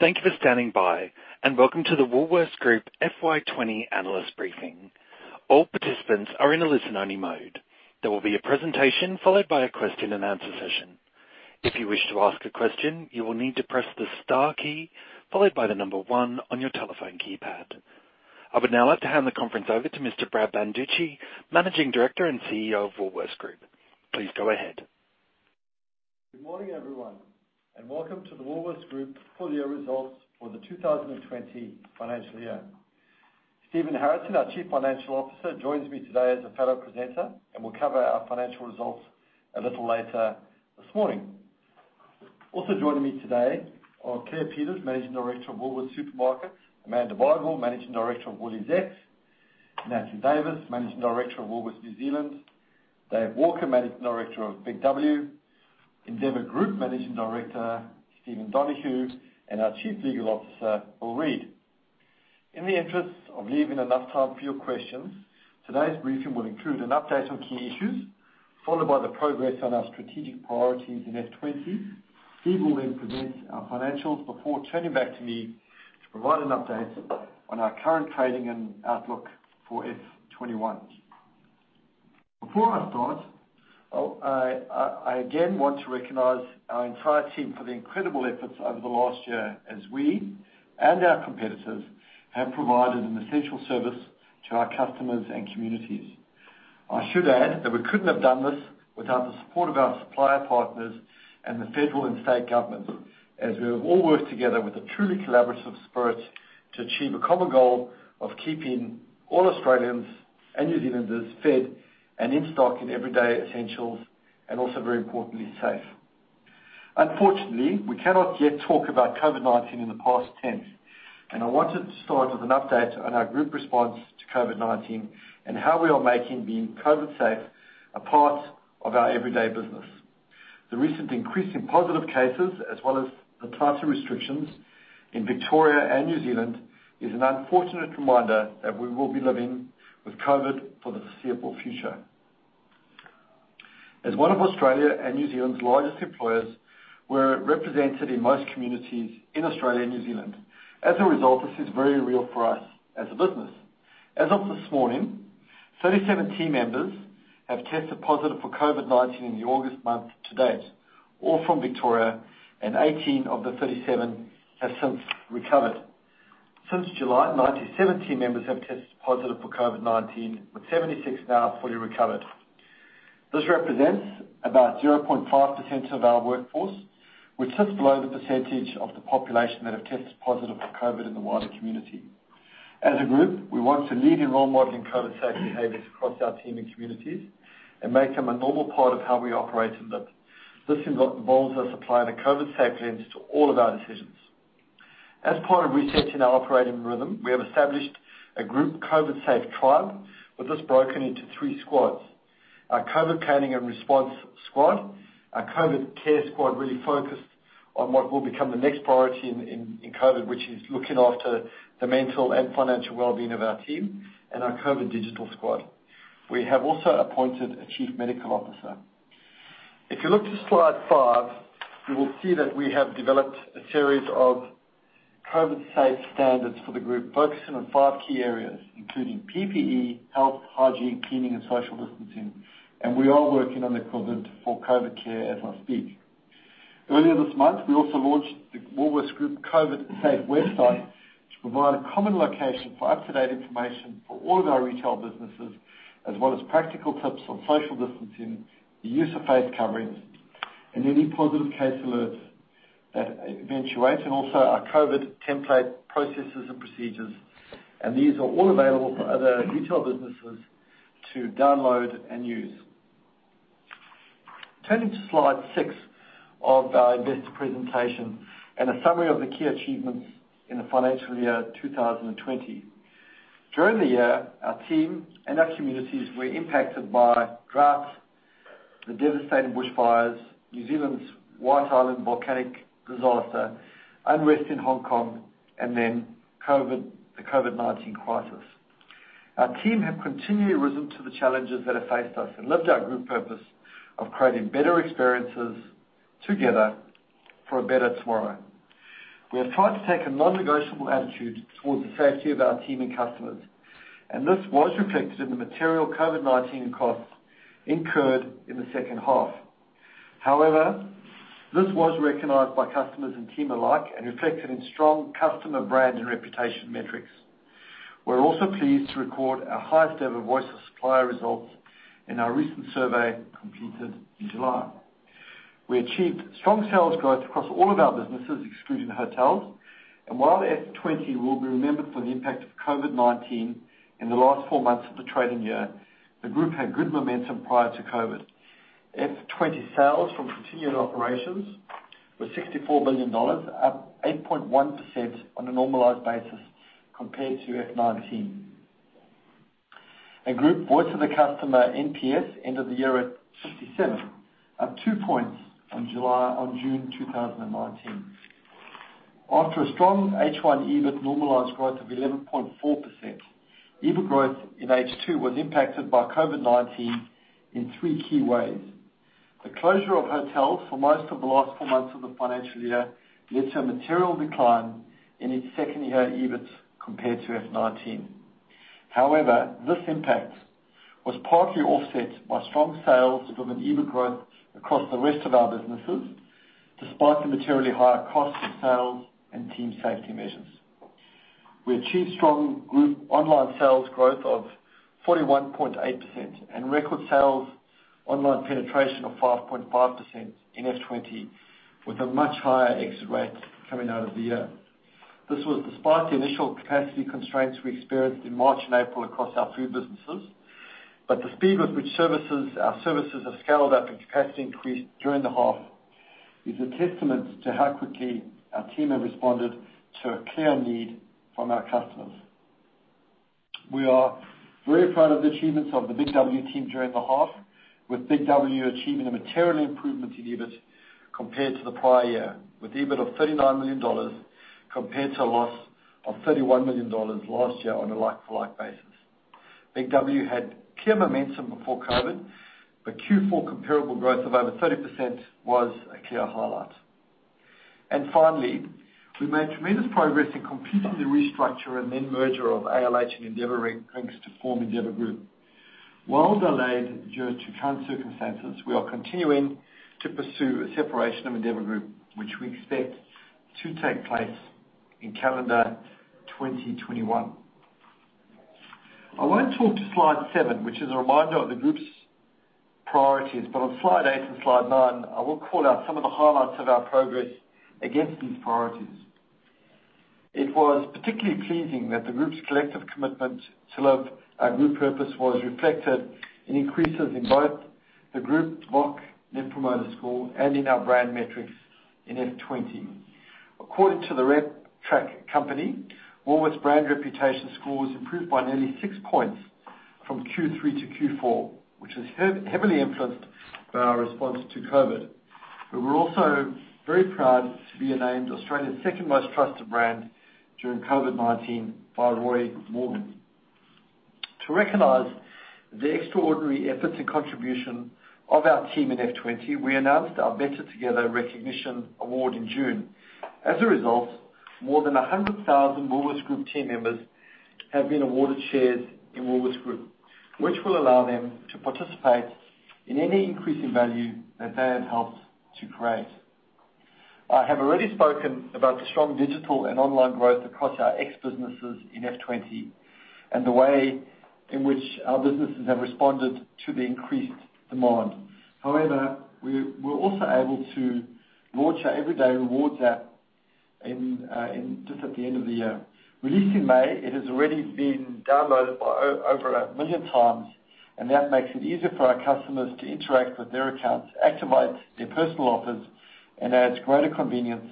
Thank you for standing by, and welcome to the Woolworths Group FY20 analyst briefing. All participants are in a listen-only mode. There will be a presentation followed by a question-and-answer session. If you wish to ask a question, you will need to press the star key followed by the number one on your telephone keypad. I would now like to hand the conference over to Mr. Brad Banducci, Managing Director and CEO of Woolworths Group. Please go ahead. Good morning, everyone, and welcome to the Woolworths Group full-year results for the two thousand and twenty financial year. Stephen Harrison, our Chief Financial Officer, joins me today as a fellow presenter, and will cover our financial results a little later this morning. Also joining me today are Claire Peters, Managing Director of Woolworths Supermarkets, Amanda Bardwell, Managing Director of WooliesX, Natalie Davis, Managing Director of Woolworths New Zealand, Dave Walker, Managing Director of Big W, Endeavour Group Managing Director, Stephen Donohue, and our Chief Legal Officer, Bill Waite. In the interest of leaving enough time for your questions, today's briefing will include an update on key issues, followed by the progress on our strategic priorities in FY20. Steve will then present our financials before turning back to me to provide an update on our current trading and outlook for FY21. Before I start, I again want to recognize our entire team for the incredible efforts over the last year as we and our competitors have provided an essential service to our customers and communities. I should add that we couldn't have done this without the support of our supplier partners and the federal and state government, as we have all worked together with a truly collaborative spirit to achieve a common goal of keeping all Australians and New Zealanders fed and in stock in everyday essentials, and also, very importantly, safe. Unfortunately, we cannot yet talk about COVID-19 in the past tense, and I wanted to start with an update on our group response to COVID-19 and how we are making being COVIDSafe a part of our everyday business. The recent increase in positive cases, as well as the tighter restrictions in Victoria and New Zealand, is an unfortunate reminder that we will be living with COVID for the foreseeable future. As one of Australia and New Zealand's largest employers, we're represented in most communities in Australia and New Zealand. As a result, this is very real for us as a business. As of this morning, 37 team members have tested positive for COVID-19 in the August month to date, all from Victoria, and 18 of the 37 have since recovered. Since July, 97 team members have tested positive for COVID-19, with 76 now fully recovered. This represents about 0.5% of our workforce, which sits below the percentage of the population that have tested positive for COVID in the wider community. As a group, we want to lead in role modeling COVIDSafe behaviors across our team and communities and make them a normal part of how we operate and live. This involves us applying a COVIDSafe lens to all of our decisions. As part of resetting our operating rhythm, we have established a group COVIDSafe tribe with this broken into three squads. Our COVID planning and response squad, our COVID Care squad, really focused on what will become the next priority in COVID, which is looking after the mental and financial well-being of our team, and our COVID Digital squad. We have also appointed a chief medical officer. If you look to slide five, you will see that we have developed a series of COVIDSafe standards for the group, focusing on five key areas, including PPE, health, hygiene, cleaning, and social distancing, and we are working on the equivalent for COVID Care as I speak. Earlier this month, we also launched the Woolworths Group COVIDSafe website to provide a common location for up-to-date information for all of our retail businesses, as well as practical tips on social distancing, the use of face coverings, and any positive case alerts that eventuate, and also our COVID template, processes, and procedures. These are all available for other retail businesses to download and use. Turning to slide six of our investor presentation and a summary of the key achievements in the financial year 2020. During the year, our team and our communities were impacted by droughts, the devastating bushfires, New Zealand's White Island volcanic disaster, unrest in Hong Kong, and then COVID, the COVID-19 crisis. Our team have continually risen to the challenges that have faced us and lived our group purpose of creating better experiences together for a better tomorrow. We have tried to take a non-negotiable attitude towards the safety of our team and customers, and this was reflected in the material COVID-19 costs incurred in the second half. However, this was recognized by customers and team alike and reflected in strong customer brand and reputation metrics. We're also pleased to record our highest ever Voice of Supplier results in our recent survey completed in July. We achieved strong sales growth across all of our businesses, excluding hotels, and while FY20 will be remembered for the impact of COVID-19 in the last four months of the trading year, the group had good momentum prior to COVID. FY20 sales from continuing operations were 64 billion dollars, up 8.1% on a normalized basis compared to FY19. Our group Voice of the Customer, NPS, ended the year at 67, up two points on June 2019. After a strong H1 EBIT normalized growth of 11.4%, EBIT growth in H2 was impacted by COVID-19 in three key ways. The closure of hotels for most of the last four months of the financial year led to a material decline in its second year EBIT compared to FY19. However, this impact was partly offset by strong sales and from an EBIT growth across the rest of our businesses, despite the materially higher cost of sales and team safety measures. We achieved strong group online sales growth of 41.8% and record sales online penetration of 5.5% in FY20, with a much higher exit rate coming out of the year. This was despite the initial capacity constraints we experienced in March and April across our food businesses, but the speed with which services, our services have scaled up and capacity increased during the half is a testament to how quickly our team have responded to a clear need from our customers. We are very proud of the achievements of the Big W team during the half, with Big W achieving a material improvement in EBIT compared to the prior year, with EBIT of 39 million dollars, compared to a loss of 31 million dollars last year on a like-for-like basis. Big W had clear momentum before COVID, but Q4 comparable growth of over 30% was a clear highlight. And finally, we made tremendous progress in completing the restructure and then merger of ALH and Endeavour Drinks to form Endeavour Group. While delayed due to current circumstances, we are continuing to pursue a separation of Endeavour Group, which we expect to take place in calendar 2021. I want to talk to slide seven, which is a reminder of the group's priorities, but on slide eight and slide nine, I will call out some of the highlights of our progress against these priorities. It was particularly pleasing that the group's collective commitment to love our group purpose was reflected in increases in both the group's VOC Net Promoter Score and in our brand metrics in FY20. According to the RepTrak, Woolworths' brand reputation score was improved by nearly six points from Q3 to Q4, which is heavily influenced by our response to COVID. But we're also very proud to be named Australia's second most trusted brand during COVID-19 by Roy Morgan. To recognize the extraordinary efforts and contribution of our team in FY20, we announced our Better Together recognition award in June. As a result, more than 100,000 Woolworths Group team members have been awarded shares in Woolworths Group, which will allow them to participate in any increase in value that they have helped to create. I have already spoken about the strong digital and online growth across our X businesses in FY20, and the way in which our businesses have responded to the increased demand. However, we were also able to launch our Everyday Rewards app in just at the end of the year. Released in May, it has already been downloaded over 1 million times, and the app makes it easier for our customers to interact with their accounts, activate their personal offers, and adds greater convenience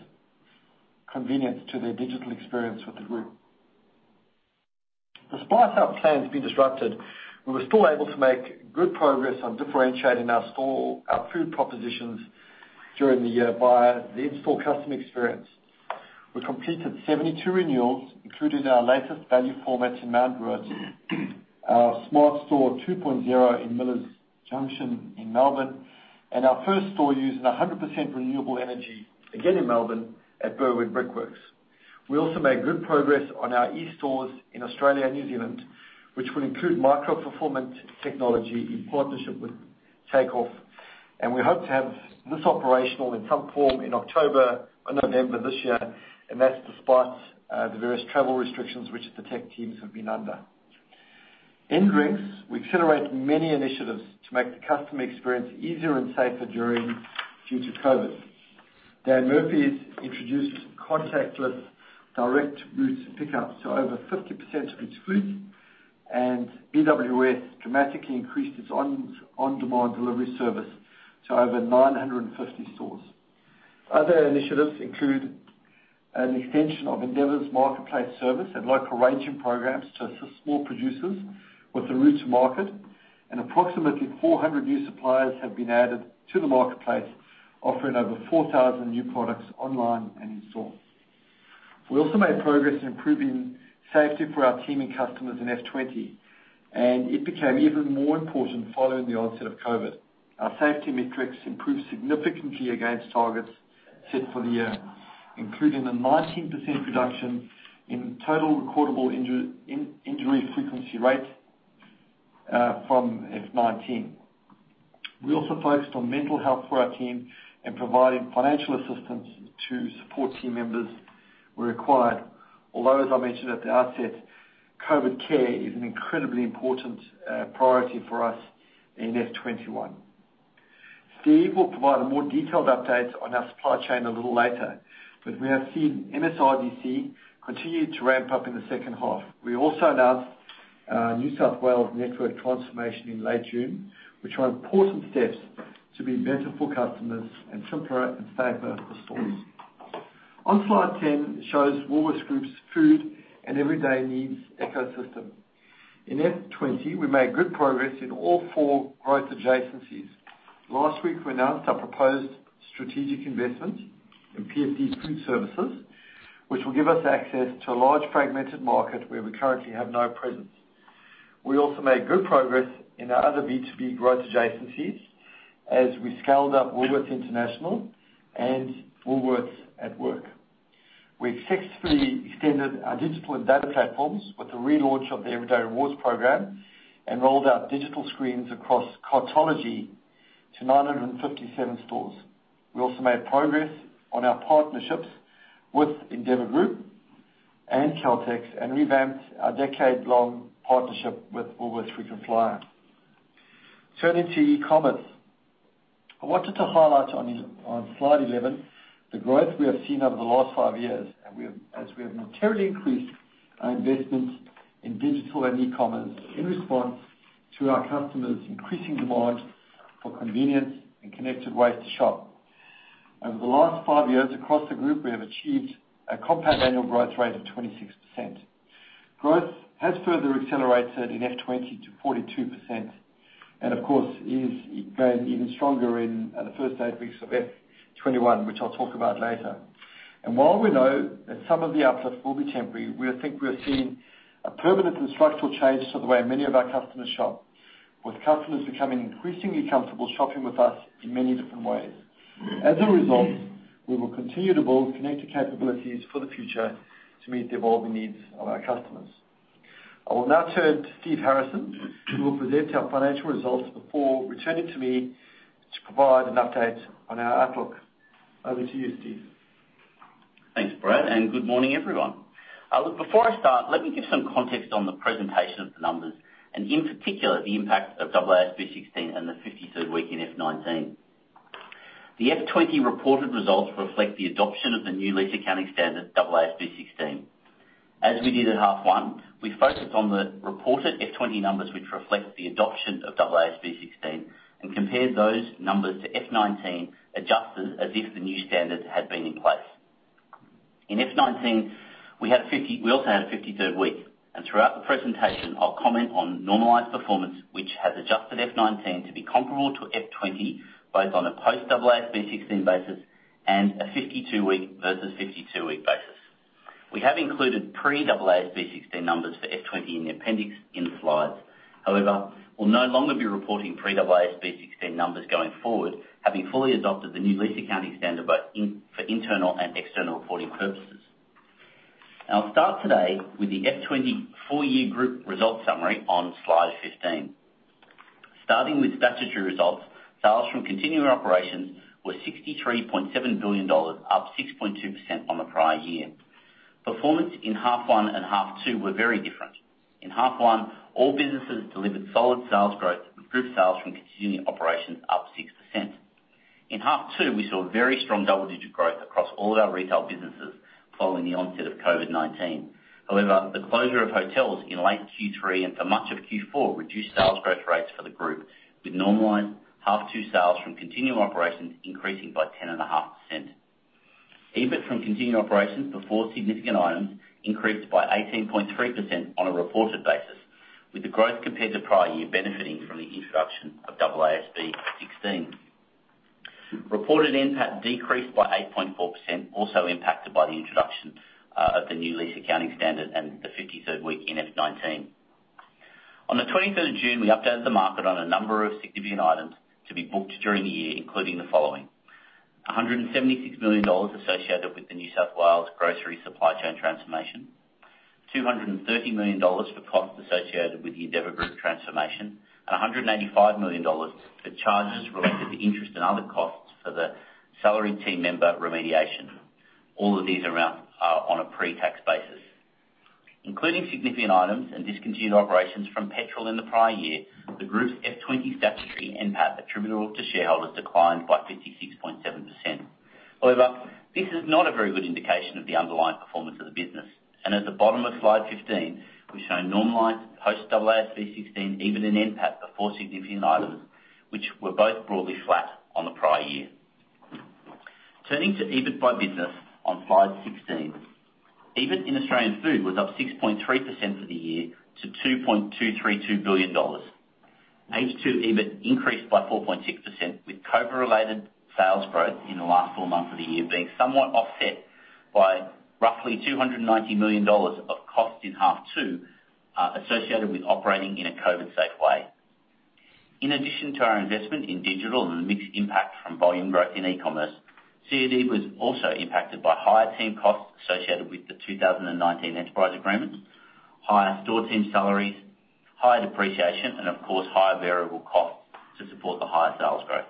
to their digital experience with the group. Despite our plans being disrupted, we were still able to make good progress on differentiating our store, our food propositions during the year via the in-store customer experience. We completed 72 renewals, including our latest value formats in Mount Druitt, our Smart Store 2.0 in Millers Junction in Melbourne, and our first store using 100% renewable energy, again in Melbourne, at Burwood Brickworks. We also made good progress on our eStores in Australia and New Zealand, which will include micro fulfillment technology in partnership with Takeoff, and we hope to have this operational in some form in October or November this year, and that's despite the various travel restrictions which the tech teams have been under. In Drinks, we accelerated many initiatives to make the customer experience easier and safer due to COVID. Dan Murphy's introduced contactless Direct to Boot pickup to over 50% of its fleet, and BWS dramatically increased its on-demand delivery service to over 950 stores. Other initiatives include an extension of Endeavour's marketplace service and local ranging programs to assist small producers with the route to market, and approximately 400 new suppliers have been added to the marketplace, offering over 4,000 new products online and in-store. We also made progress in improving safety for our team and customers in FY20, and it became even more important following the onset of COVID-19. Our safety metrics improved significantly against targets set for the year, including a 19% reduction in total recordable injury frequency rate from FY19. We also focused on mental health for our team and providing financial assistance to support team members where required, although, as I mentioned at the outset, COVID Care is an incredibly important priority for us in FY21. Steve will provide a more detailed update on our supply chain a little later, but we have seen MSRDC continue to ramp up in the second half. We also announced our New South Wales network transformation in late June, which are important steps to be better for customers and simpler and safer for stores. On slide 10, it shows Woolworths Group's food and everyday needs ecosystem. In FY20 we made good progress in all four growth adjacencies. Last week, we announced our proposed strategic investment in PFD Food Services, which will give us access to a large, fragmented market where we currently have no presence.... We also made good progress in our other B2B growth adjacencies as we scaled up Woolworths International and Woolworths at Work. We successfully extended our digital and data platforms with the relaunch of the Everyday Rewards program and rolled out digital screens across Cartology to 957 stores. We also made progress on our partnerships with Endeavour Group and Caltex, and revamped our decade-long partnership with Qantas Frequent Flyer. Turning to e-commerce. I wanted to highlight on slide 11, the growth we have seen over the last five years, and as we have materially increased our investment in digital and e-commerce in response to our customers' increasing demand for convenient and connected ways to shop. Over the last five years across the group, we have achieved a compound annual growth rate of 26%. Growth has further accelerated in FY20 to 42%, and of course, is growing even stronger in the first eight weeks of FY21, which I'll talk about later. And while we know that some of the uplift will be temporary, we think we are seeing a permanent and structural change to the way many of our customers shop, with customers becoming increasingly comfortable shopping with us in many different ways. As a result, we will continue to build connected capabilities for the future to meet the evolving needs of our customers. I will now turn to Steve Harrison, who will present our financial results before returning to me to provide an update on our outlook. Over to you, Steve. Thanks, Brad, and good morning, everyone. Look, before I start, let me give some context on the presentation of the numbers and in particular, the impact of AASB 16 and the fifty-third week in FY19. The FY20 reported results reflect the adoption of the new lease accounting standard, AASB 16. As we did at half one, we focused on the reported FY20 numbers, which reflect the adoption of AASB 16, and compared those numbers to FY19, adjusted as if the new standard had been in place. In FY19, we also had a fifty-third week, and throughout the presentation, I'll comment on normalized performance, which has adjusted FY19 to be comparable to FY20, both on a post-AASB 16 basis and a fifty-two week versus fifty-two week basis. We have included pre-AASB 16 numbers for FY20 in the appendix in the slides. However, we'll no longer be reporting pre-AASB 16 numbers going forward, having fully adopted the new lease accounting standard both in, for internal and external reporting purposes. I'll start today with the FY20 full year group results summary on slide 15. Starting with statutory results, sales from continuing operations were AUD 63.7 billion, up 6.2% on the prior year. Performance in half one and half two were very different. In half one, all businesses delivered solid sales growth, with group sales from continuing operations up 6%. In half two, we saw very strong double-digit growth across all of our retail businesses following the onset of COVID-19. However, the closure of hotels in late Q3 and for much of Q4 reduced sales growth rates for the group, with normalized half two sales from continuing operations increasing by 10.5%. EBIT from continuing operations before significant items increased by 18.3% on a reported basis, with the growth compared to prior year benefiting from the introduction of AASB 16. Reported NPAT decreased by 8.4%, also impacted by the introduction of the new lease accounting standard and the fifty-third week in FY19. On the twenty-third of June, we updated the market on a number of significant items to be booked during the year, including the following: 176 million dollars associated with the New South Wales grocery supply chain transformation, 230 million dollars for costs associated with the Endeavour Group transformation, and 185 million dollars for charges related to interest and other costs for the salary team member remediation. All of these are around on a pre-tax basis. Including significant items and discontinued operations from Petrol in the prior year, the group's FY20 statutory NPAT attributable to shareholders declined by 56.7%. However, this is not a very good indication of the underlying performance of the business, and at the bottom of slide 15, we've shown normalized post-AASB 16 EBIT and NPAT after significant items, which were both broadly flat on the prior year. Turning to EBIT by business on slide 16. EBIT in Australian Food was up 6.3% for the year to 2.232 billion dollars. H2 EBIT increased by 4.6%, with COVID-related sales growth in the last four months of the year being somewhat offset by roughly 290 million dollars of cost in half two associated with operating in a COVID-safe way. In addition to our investment in digital and the mixed impact from volume growth in e-commerce, CODB was also impacted by higher team costs associated with the 2019 enterprise agreements, higher store team salaries, higher depreciation, and of course, higher variable costs to support the higher sales growth.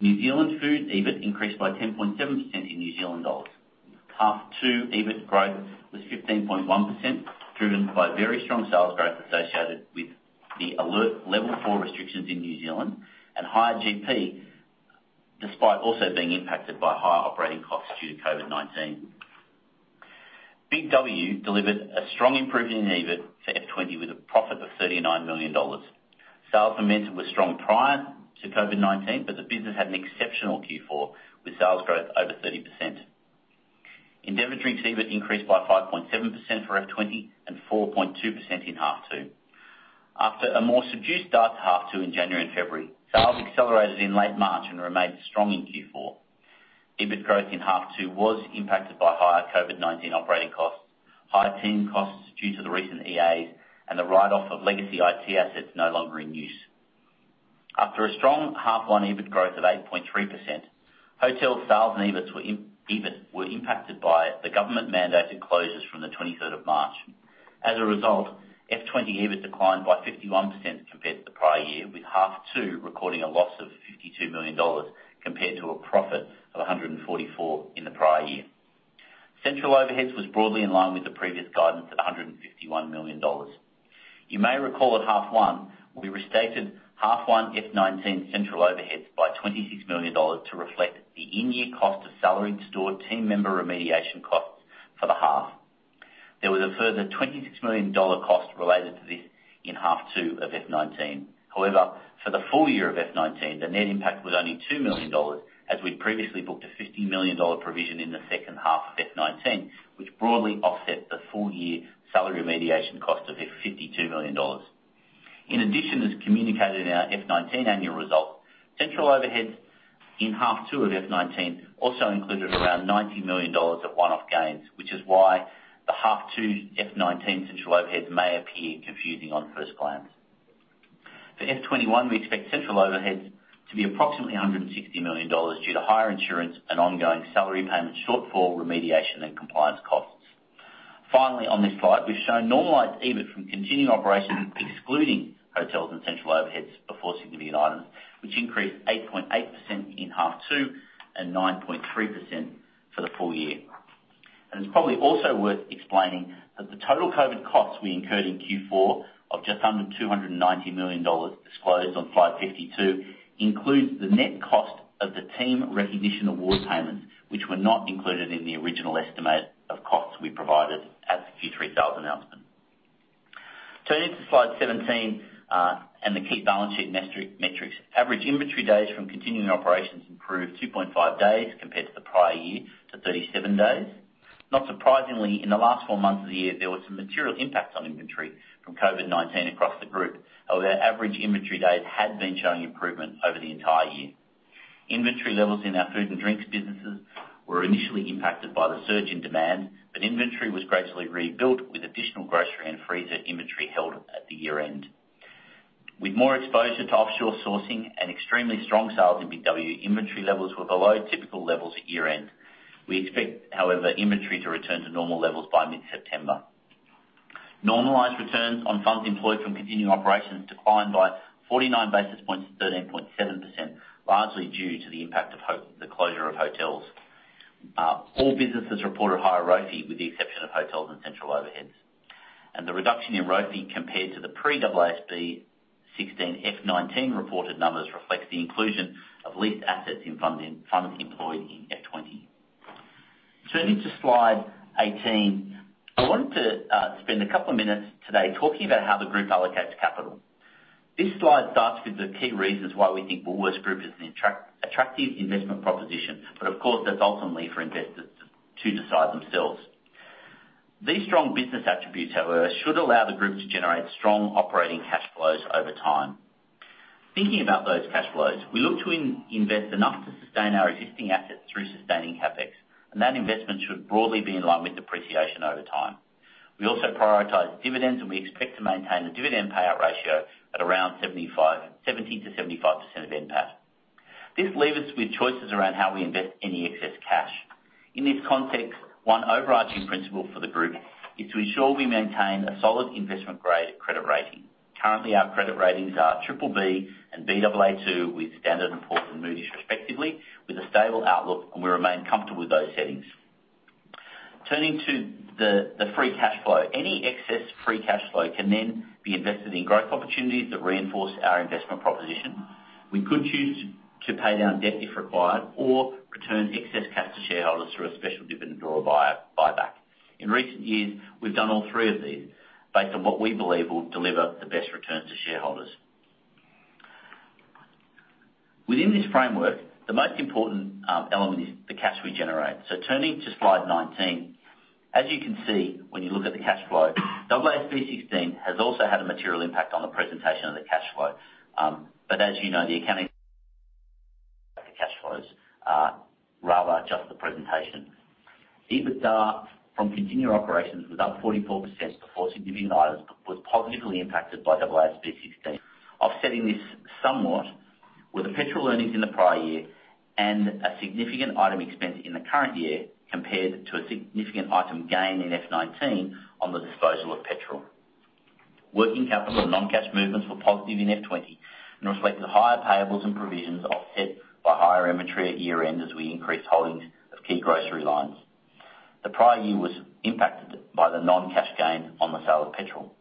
New Zealand Food EBIT increased by 10.7% in NZD. Half Two EBIT growth was 15.1%, driven by very strong sales growth associated with the Alert Level 4 restrictions in New Zealand and higher GP, despite also being impacted by higher operating costs due to COVID-19. Big W delivered a strong improvement in EBIT for FY20, with a profit of AUD 39 million. Sales momentum were strong prior to COVID-19, but the business had an exceptional Q4, with sales growth over 30%. Endeavour Drinks EBIT increased by 5.7% for FY20 and 4.2% in half two. After a more subdued start to half two in January and February, sales accelerated in late March and remained strong in Q4. EBIT growth in half two was impacted by higher COVID-19 operating costs, higher team costs due to the recent EAs, and the write-off of legacy IT assets no longer in use. After a strong half one EBIT growth of 8.3%, hotel sales and EBITs were impacted by the government-mandated closures from the twenty-third of March. As a result, FY20 EBIT declined by 51% compared to the prior year, with half two recording a loss of 52 million dollars compared to a profit of 144 million in the prior year. Central overheads was broadly in line with the previous guidance of 151 million dollars. You may recall at half one, we restated half one FY19 central overheads by 26 million dollars to reflect the in-year cost of salaried store team member remediation costs for the half. There was a further 26 million dollar cost related to this in half two of FY19. However, for the full year of FY19, the net impact was only 2 million dollars, as we'd previously booked a 50 million dollar provision in the second half of FY19, which broadly offset the full year salary remediation cost of fifty-two million dollars. In addition, as communicated in our FY19 annual result, central overheads in half two of FY19 also included around 90 million dollars of one-off gains, which is why the half two FY19 central overheads may appear confusing on first glance. For FY21, we expect central overheads to be approximately 160 million dollars due to higher insurance and ongoing salary payments, shortfall remediation, and compliance costs. Finally, on this slide, we've shown normalized EBIT from continuing operations, excluding hotels and central overheads before significant items, which increased 8.8% in half two and 9.3% for the full year, and it's probably also worth explaining that the total COVID costs we incurred in Q4 of just under 290 million dollars, disclosed on slide 52, includes the net cost of the team recognition award payments, which were not included in the original estimate of costs we provided at the Q3 sales announcement. Turning to slide 17, and the key balance sheet metrics. Average inventory days from continuing operations improved 2.5 days compared to the prior year to 37 days. Not surprisingly, in the last four months of the year, there were some material impacts on inventory from COVID-19 across the group, although our average inventory days had been showing improvement over the entire year. Inventory levels in our food and drinks businesses were initially impacted by the surge in demand, but inventory was gradually rebuilt with additional grocery and freezer inventory held at the year end. With more exposure to offshore sourcing and extremely strong sales in Big W, inventory levels were below typical levels at year end. We expect, however, inventory to return to normal levels by mid-September. Normalized returns on funds employed from continuing operations declined by 49 basis points to 13.7%, largely due to the impact of the closure of hotels. All businesses reported higher ROFE, with the exception of hotels and central overheads. The reduction in ROFE compared to the pre-AASB 16 FY19 reported numbers reflects the inclusion of leased assets in funds employed in FY20. Turning to slide 18, I wanted to spend a couple of minutes today talking about how the group allocates capital. This slide starts with the key reasons why we think Woolworths Group is an attractive investment proposition, but of course, that's ultimately for investors to decide themselves. These strong business attributes, however, should allow the group to generate strong operating cash flows over time. Thinking about those cash flows, we look to invest enough to sustain our existing assets through sustaining CapEx, and that investment should broadly be in line with depreciation over time. We also prioritize dividends, and we expect to maintain the dividend payout ratio at around 75-- 70 to 75% of NPAT. This leaves us with choices around how we invest any excess cash. In this context, one overarching principle for the group is to ensure we maintain a solid investment-grade credit rating. Currently, our credit ratings are BBB and Baa2 with Standard & Poor's and Moody's respectively, with a stable outlook, and we remain comfortable with those settings. Turning to the free cash flow, any excess free cash flow can then be invested in growth opportunities that reinforce our investment proposition. We could choose to pay down debt if required, or return excess cash to shareholders through a special dividend or a buyback. In recent years, we've done all three of these based on what we believe will deliver the best returns to shareholders. Within this framework, the most important element is the cash we generate. So turning to slide 19, as you can see, when you look at the cash flow, AASB 16 has also had a material impact on the presentation of the cash flow. But as you know, the cash flows, rather just the presentation. EBITDA from continuing operations was up 44% before significant items, but was positively impacted by AASB 16. Offsetting this somewhat were the petrol earnings in the prior year and a significant item expense in the current year compared to a significant item gain inFY19 on the disposal of petrol. Working capital and non-cash movements were positive in FY20 and reflect the higher payables and provisions offset by higher inventory at year end as we increased holdings of key grocery lines. The prior year was impacted by the non-cash gain on the sale of petrol.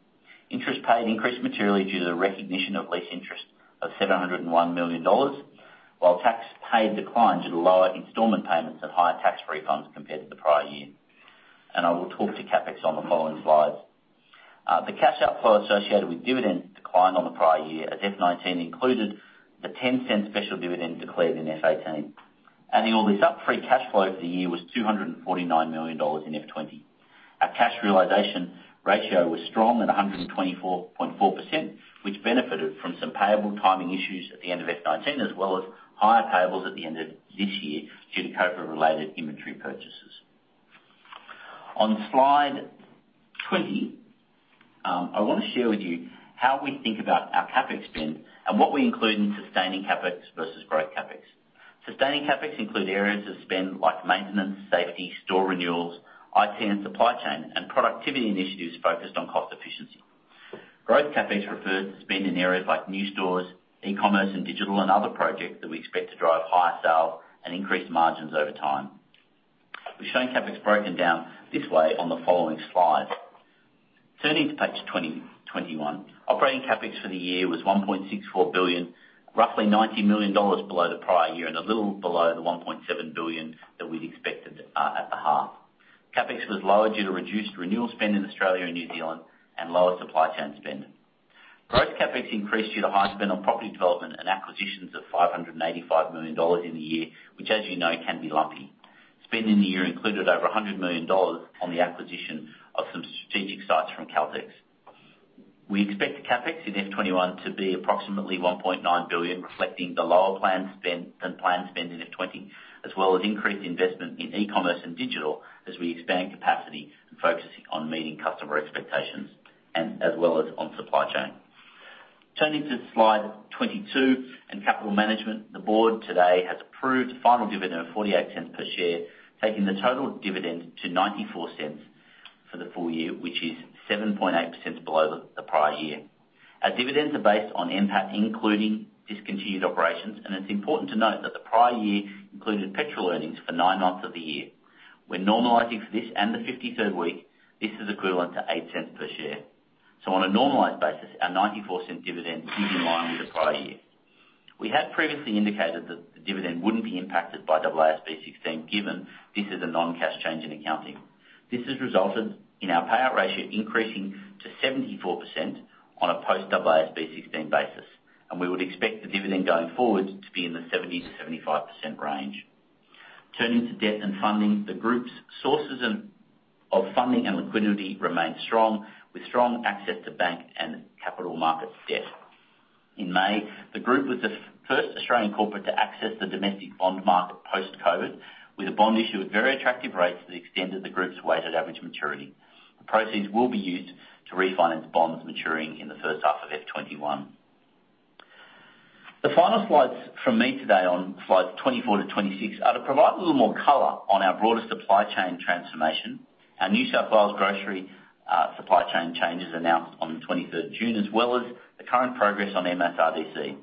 Interest paid increased materially due to the recognition of lease interest of AUD 701 million, while tax paid declined due to lower installment payments and higher tax refunds compared to the prior year. I will talk to CapEx on the following slides. The cash outflow associated with dividends declined on the prior year, as FY19 included the 10-cent special dividend declared in FY18. Adding all this up, free cash flow for the year was 249 million dollars in FY20. Our cash realization ratio was strong at 124.4%, which benefited from some payable timing issues at the end of FY19, as well as higher payables at the end of this year due to COVID-related inventory purchases. On slide 20, I want to share with you how we think about our CapEx spend and what we include in sustaining CapEx versus growth CapEx. Sustaining CapEx include areas of spend, like maintenance, safety, store renewals, IT, and supply chain, and productivity initiatives focused on cost efficiency. Growth CapEx refers to spend in areas like new stores, e-commerce and digital, and other projects that we expect to drive higher sales and increase margins over time. We've shown CapEx broken down this way on the following slides. Turning to page 21. Operating CapEx for the year was 1.64 billion, roughly 90 million dollars below the prior year, and a little below the 1.7 billion that we'd expected at the half. CapEx was lower due to reduced renewal spend in Australia and New Zealand, and lower supply chain spend. Growth CapEx increased due to high spend on property development and acquisitions of 585 million dollars in the year, which as you know, can be lumpy. Spend in the year included over 100 million dollars on the acquisition of some strategic sites from Caltex. We expect the CapEx in FY21 to be approximately AUD 1.9 billion, reflecting the lower planned spend than planned spend in FY20, as well as increased investment in e-commerce and digital as we expand capacity and focusing on meeting customer expectations and as well as on supply chain. Turning to slide 22 and capital management, the board today has approved final dividend of 0.48 per share, taking the total dividend to 0.94 for the full year, which is 7.8% below the prior year. Our dividends are based on NPAT, including discontinued operations, and it's important to note that the prior year included petrol earnings for nine months of the year. When normalizing for this and the fifty-third week, this is equivalent to 0.08 per share. So on a normalized basis, our 0.94 dividend is in line with the prior year. We had previously indicated that the dividend wouldn't be impacted by AASB 16, given this is a non-cash change in accounting. This has resulted in our payout ratio increasing to 74% on a post-AASB 16 basis, and we would expect the dividend going forward to be in the 70%-75% range. Turning to debt and funding, the group's sources of funding and liquidity remain strong, with strong access to bank and capital markets debt. In May, the group was the first Australian corporate to access the domestic bond market post-COVID, with a bond issue at very attractive rates that extended the group's weighted average maturity. The proceeds will be used to refinance bonds maturing in the first half of FY21. The final slides from me today on slides 24 to 26 are to provide a little more color on our broader supply chain transformation, our New South Wales grocery supply chain changes announced on the 23rd June, as well as the current progress on MSRDC.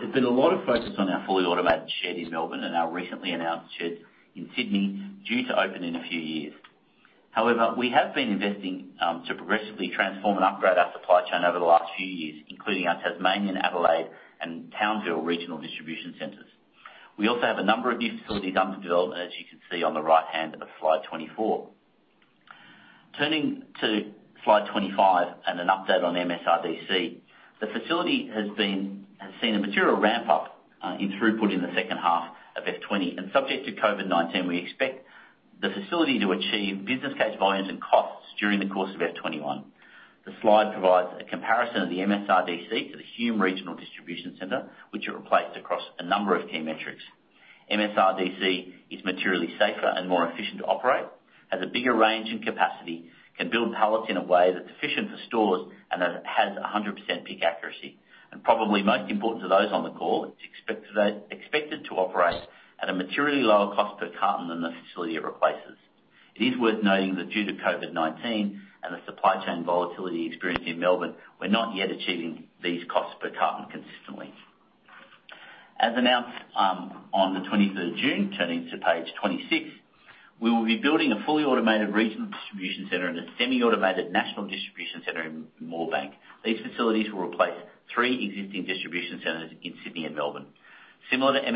There's been a lot of focus on our fully automated shed in Melbourne and our recently announced shed in Sydney, due to open in a few years. However, we have been investing to progressively transform and upgrade our supply chain over the last few years, including our Tasmanian, Adelaide, and Townsville Regional Distribution Centres. We also have a number of new facilities under development, as you can see on the right hand of the slide twenty-four. Turning to slide twenty-five and an update on MSRDC. The facility has been, has seen a material ramp up in throughput in the second half of FY20, and subject to COVID-19, we expect the facility to achieve business case volumes and costs during the course of FY21. The slide provides a comparison of the MSRDC to the Hume Regional Distribution Centre, which it replaced across a number of key metrics. MSRDC is materially safer and more efficient to operate, has a bigger range and capacity, can build pallets in a way that's efficient for stores, and that has a 100% pick accuracy. And probably most important to those on the call, it's expected to operate at a materially lower cost per carton than the facility it replaces. It is worth noting that due to COVID-19 and the supply chain volatility experienced in Melbourne, we're not yet achieving these costs per carton consistently. As announced on the twenty-third of June, turning to page 26, we will be building a fully automated regional distribution center and a semi-automated national distribution center in Moorebank. These facilities will replace three existing distribution centers in Sydney and Melbourne. Similar to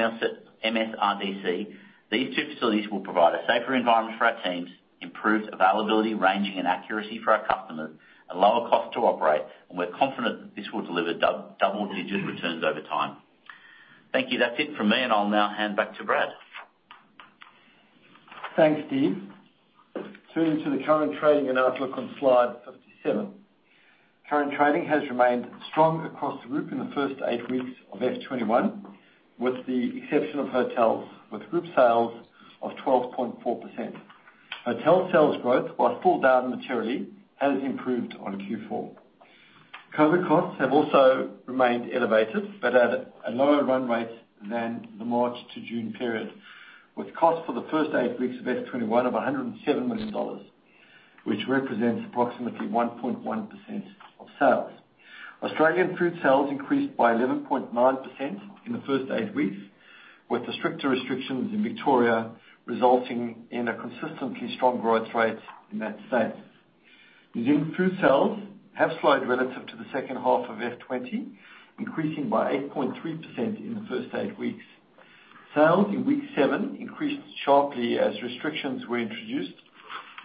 MSRDC, these two facilities will provide a safer environment for our teams, improved availability, ranging, and accuracy for our customers, a lower cost to operate, and we're confident that this will deliver double-digit returns over time. Thank you. That's it from me, and I'll now hand back to Brad. Thanks, Steve. Turning to the current trading and outlook on slide seven. Current trading has remained strong across the group in the first eight weeks of FY21, with the exception of hotels, with group sales of 12.4%. Hotel sales growth, while pulled down materially, has improved on Q4. COVID costs have also remained elevated, but at a lower run rate than the March to June period, with costs for the first eight weeks of FY21 of 107 million dollars, which represents approximately 1.1% of sales. Australian food sales increased by 11.9% in the first eight weeks, with the stricter restrictions in Victoria resulting in a consistently strong growth rate in that state. New Zealand food sales have slowed relative to the second half of FY20, increasing by 8.3% in the first eight weeks. Sales in week 7 increased sharply as restrictions were introduced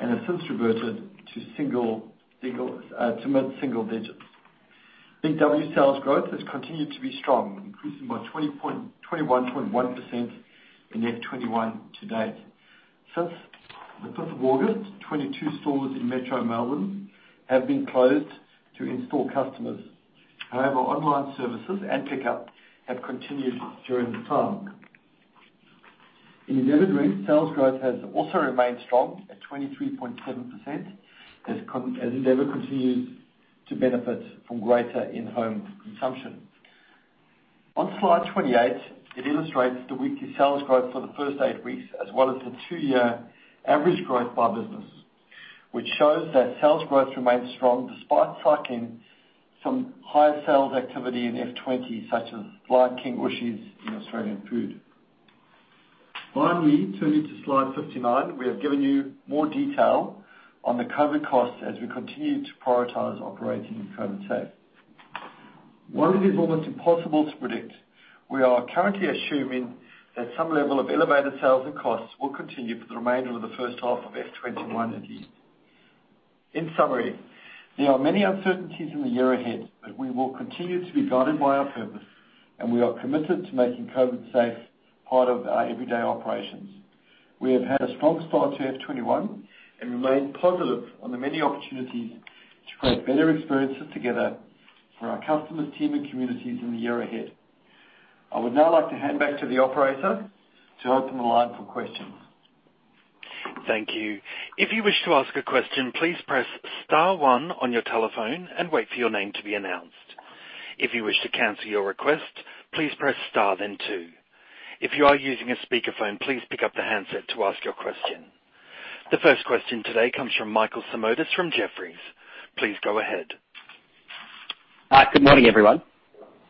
and have since reverted to single to mid-single digits. Big W sales growth has continued to be strong, increasing by 21.1% in FY21 to date. Since the fifth of August, 22 stores in Metro Melbourne have been closed to in-store customers. However, online services and pickup have continued during this time. In Endeavour Drinks, sales growth has also remained strong at 23.7%, as Endeavour continues to benefit from greater in-home consumption. On slide 28, it illustrates the weekly sales growth for the first eight weeks, as well as the two-year average growth by business, which shows that sales growth remains strong despite cycling some higher sales activity in FY20, such as Lion King Ooshies and Australian Food. Finally, turning to slide 59, we have given you more detail on the COVID costs as we continue to prioritize operating in COVIDSafe. While it is almost impossible to predict, we are currently assuming that some level of elevated sales and costs will continue for the remainder of the first half of FY21 and beyond. In summary, there are many uncertainties in the year ahead, but we will continue to be guided by our purpose, and we are committed to making COVIDSafe part of our everyday operations. We have had a strong start to FY21 and remain positive on the many opportunities to create better experiences together for our customers, team, and communities in the year ahead. I would now like to hand back to the operator to open the line for questions. Thank you. If you wish to ask a question, please press star one on your telephone and wait for your name to be announced. If you wish to cancel your request, please press star, then two. If you are using a speakerphone, please pick up the handset to ask your question. The first question today comes from Michael Simotas from Jefferies. Please go ahead. Good morning, everyone.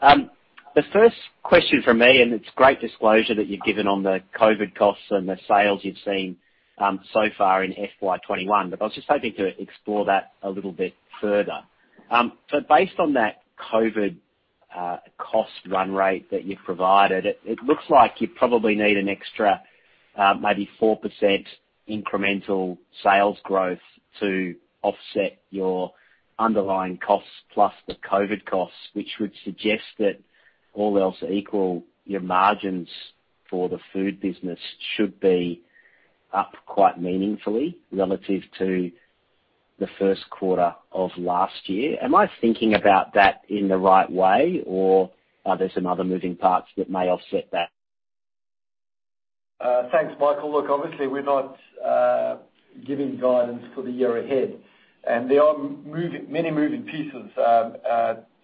The first question from me, and it's great disclosure that you've given on the COVID costs and the sales you've seen, so far in FY21, but I was just hoping to explore that a little bit further. So based on that COVID cost run rate that you've provided, it looks like you probably need an extra, maybe 4% incremental sales growth to offset your underlying costs, plus the COVID costs, which would suggest that all else equal, your margins for the food business should be up quite meaningfully relative to the first quarter of last year. Am I thinking about that in the right way, or are there some other moving parts that may offset that? Thanks, Michael. Look, obviously, we're not giving guidance for the year ahead, and there are many moving pieces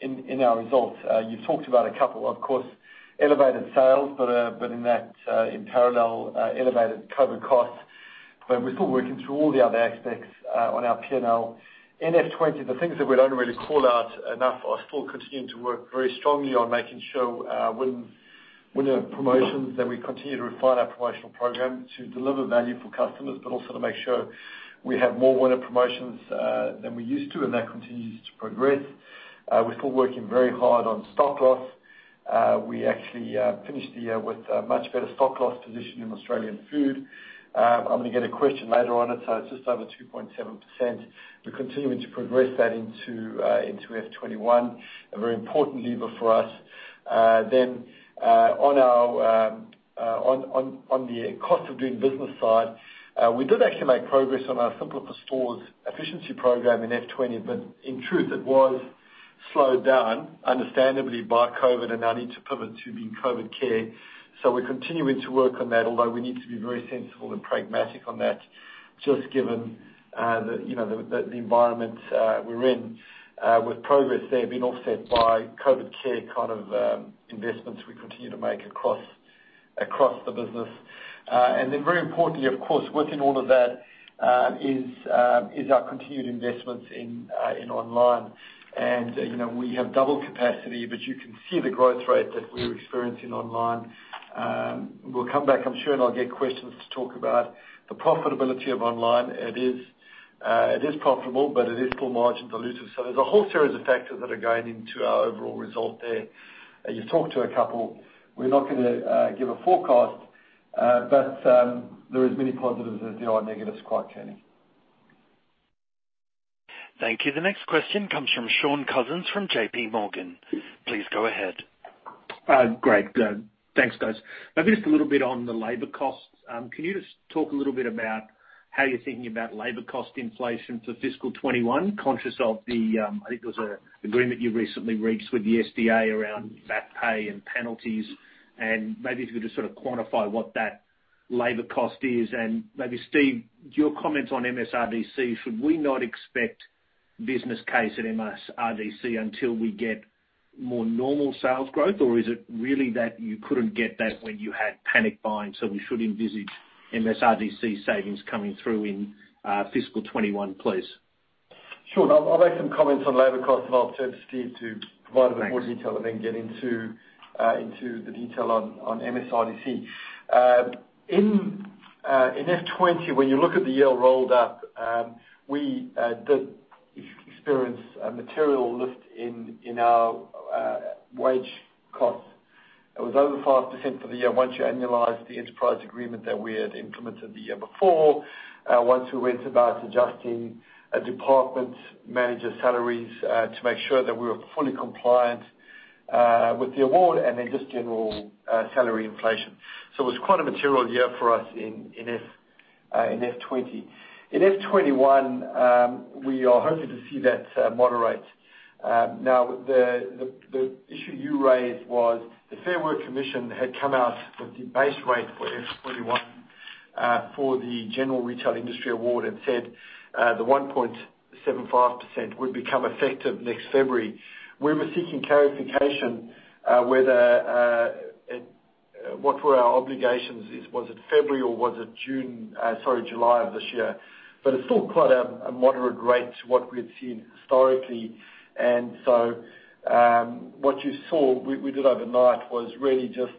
in our results. You've talked about a couple, of course, elevated sales, but in that, in parallel, elevated COVID costs, but we're still working through all the other aspects on our P&L. In FY20, the things that we don't really call out enough are still continuing to work very strongly on making sure, when our promotions, that we continue to refine our promotional program to deliver value for customers, but also to make sure we have more winner promotions than we used to, and that continues to progress. We're still working very hard on stock loss. We actually finished the year with a much better stock loss position in Australian Food. I'm gonna get a question later on it, so it's just over 2.7%. We're continuing to progress that into FY21, a very important lever for us. Then, on the cost of doing business side, we did actually make progress on our Simpler for Stores efficiency program in FY20, but in truth, it was slowed down, understandably, by COVID and our need to pivot to being COVID Care. So we're continuing to work on that, although we need to be very sensible and pragmatic on that, just given, you know, the environment we're in, with progress there being offset by COVID Care kind of investments we continue to make across the business. And then very importantly, of course, within all of that, is our continued investments in online. You know, we have double capacity, but you can see the growth rate that we're experiencing online. We'll come back, I'm sure, and I'll get questions to talk about the profitability of online. It is profitable, but it is still margin dilutive. So there's a whole series of factors that are going into our overall result there. You've talked to a couple. We're not gonna give a forecast, but there is many positives, as there are negatives, quite frankly. Thank you. The next question comes from Shaun Cousins from J.P. Morgan. Please go ahead. Great. Thanks, guys. Maybe just a little bit on the labor costs. Can you just talk a little bit about how you're thinking about labor cost inflation for fiscal '21? Conscious of the, I think there was an agreement you recently reached with the SDA around back pay and penalties, and maybe if you could just sort of quantify what that labor cost is. And maybe, Steve, your comments on MSRDC, should we not expect business case at MSRDC until we get more normal sales growth, or is it really that you couldn't get that when you had panic buying, so we should envisage MSRDC savings coming through in fiscal '21, please? Sure. I'll make some comments on labor costs, and I'll turn to Steve to provide- Thanks... a little more detail and then get into into the detail on on MSRDC. In FY20, when you look at the year rolled up, we did experience a material lift in in our wage costs. It was over 5% for the year once you annualize the enterprise agreement that we had implemented the year before, once we went about adjusting a department manager salaries to make sure that we were fully compliant with the award and then just general salary inflation. So it was quite a material year for us in FY20. In FY21, we are hoping to see that moderate. Now, the issue you raised was the Fair Work Commission had come out with the base rate for FY21 for the General Retail Industry Award, and said the 1.75% would become effective next February. We were seeking clarification whether what were our obligations is, was it February or was it June, sorry, July of this year? But it's still quite a moderate rate to what we had seen historically. And so, what you saw we did overnight was really just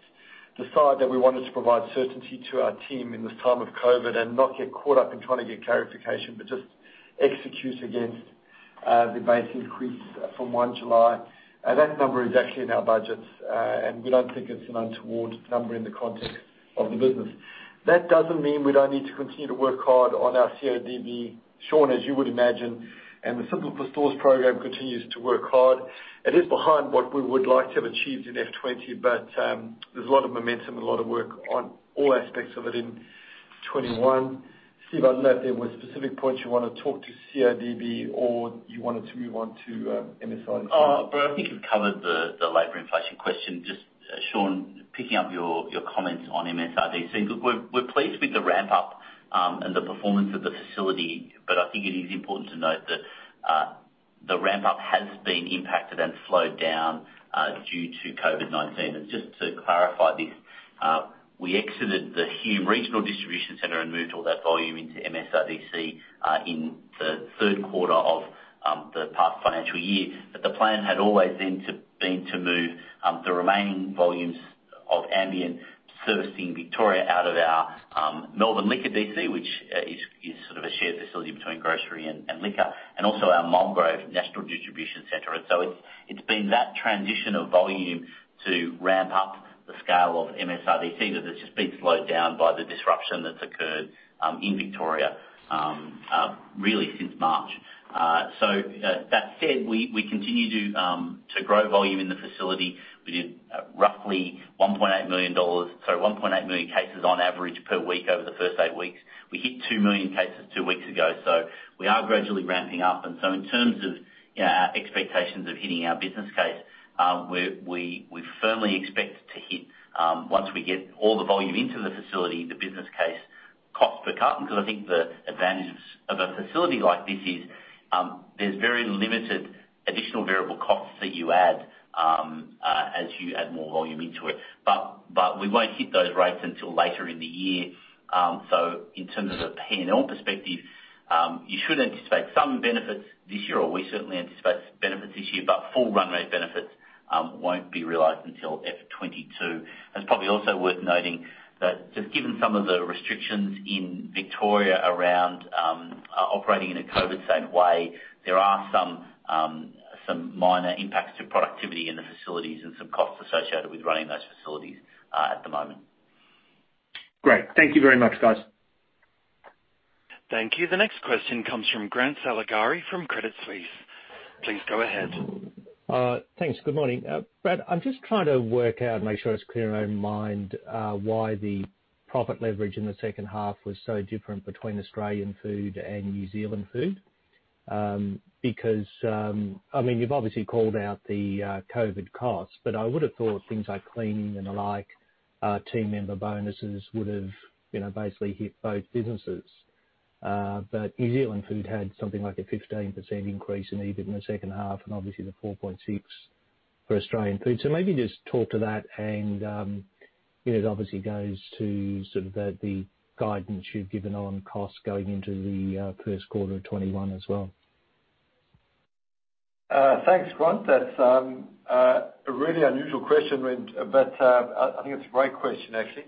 decide that we wanted to provide certainty to our team in this time of COVID, and not get caught up in trying to get clarification, but just execute against the base increase from one July. That number is actually in our budgets, and we don't think it's an untoward number in the context of the business. That doesn't mean we don't need to continue to work hard on our CODB, Shaun, as you would imagine, and the Simpler for Stores program continues to work hard. It is behind what we would like to have achieved in FY20, but, there's a lot of momentum and a lot of work on all aspects of it in 2021. Steve, I don't know if there were specific points you wanna talk to CODB or you wanted to move on to MSRDC? Brad, I think you've covered the labor inflation question. Just, Shaun, picking up your comments on MSRDC. Look, we're pleased with the ramp-up and the performance of the facility, but I think it is important to note that the ramp-up has been impacted and slowed down due to COVID-19. And just to clarify this, we exited the Hume Regional Distribution Centre and moved all that volume into MSRDC in the third quarter of the past financial year. But the plan had always been to move the remaining volumes of ambient servicing Victoria out of our Melbourne Liquor DC, which is sort of a shared facility between grocery and liquor, and also our Moorebank National Distribution Centre. It's been that transition of volume to ramp up the scale of MSRDC that has just been slowed down by the disruption that's occurred in Victoria really since March. That said, we continue to grow volume in the facility. We did roughly 1.8 million, sorry, 1.8 million cases on average per week over the first eight weeks. We hit 2 million cases two weeks ago, so we are gradually ramping up. In terms of you know our expectations of hitting our business case, we firmly expect to hit once we get all the volume into the facility, the business case cost per carton. 'Cause I think the advantage of a facility like this is, there's very limited additional variable costs that you add, as you add more volume into it. But we won't hit those rates until later in the year. So in terms of a P&L perspective, you should anticipate some benefits this year, or we certainly anticipate benefits this year, but full run rate benefits won't be realized until FY22. It's probably also worth noting that just given some of the restrictions in Victoria around operating in a COVID-safe way, there are some minor impacts to productivity in the facilities and some costs associated with running those facilities at the moment. Great. Thank you very much, guys. Thank you. The next question comes from Grant Saligari from Credit Suisse. Please go ahead. Thanks. Good morning. Brad, I'm just trying to work out and make sure it's clear in my own mind, why the profit leverage in the second half was so different between Australian Food and New Zealand Food. Because, I mean, you've obviously called out the COVID costs, but I would've thought things like cleaning and the like, team member bonuses would've, you know, basically hit both businesses. But New Zealand Food had something like a 15% increase in EBIT in the second half, and obviously the 4.6 for Australian Food. So maybe just talk to that and, you know, it obviously goes to sort of the guidance you've given on costs going into the first quarter of 2021 as well. Thanks, Grant. That's a really unusual question, and but I think it's a great question actually.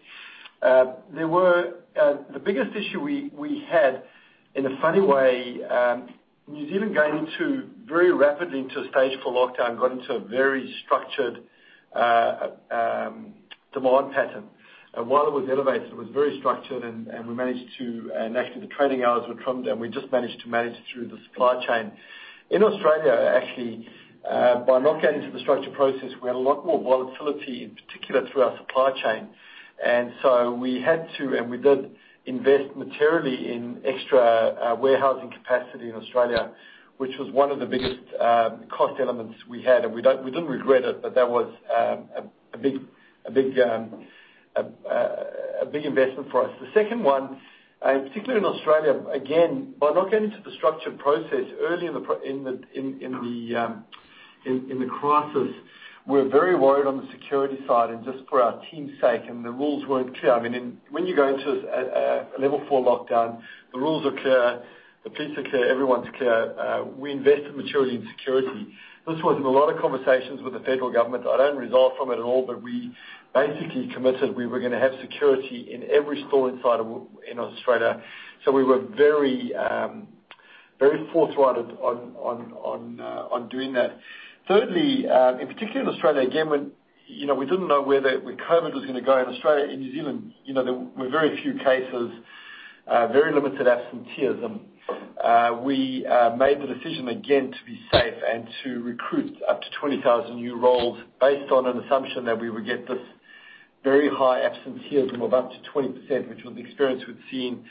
The biggest issue we had, in a funny way, New Zealand going into very rapidly into a Stage 4 lockdown got into a very structured demand pattern. And while it was elevated, it was very structured, and we managed to. And actually, the trading hours were trimmed down. We just managed to manage through the supply chain. In Australia, actually, by not getting into the structured process, we had a lot more volatility, in particular through our supply chain. And so we had to, and we did invest materially in extra warehousing capacity in Australia, which was one of the biggest cost elements we had. And we don't, we didn't regret it, but that was a big investment for us. The second one, particularly in Australia, again, by not getting into the structured process early in the crisis, we were very worried on the security side and just for our team's sake, and the rules weren't clear. I mean, when you go into a Level 4 lockdown, the rules are clear, the police are clear, everyone's clear. We invested materially in security. This was in a lot of conversations with the federal government. I don't resent it at all, but we basically committed we were gonna have security in every store within Australia. So we were very forthright on doing that. Thirdly, in particular in Australia, again, when, you know, we didn't know where COVID was gonna go in Australia and New Zealand, you know, there were very few cases, very limited absenteeism. We made the decision again, to be safe and to recruit up to 20,000 new roles based on an assumption that we would get this very high absenteeism of up to 20%, which was the experience we'd seen,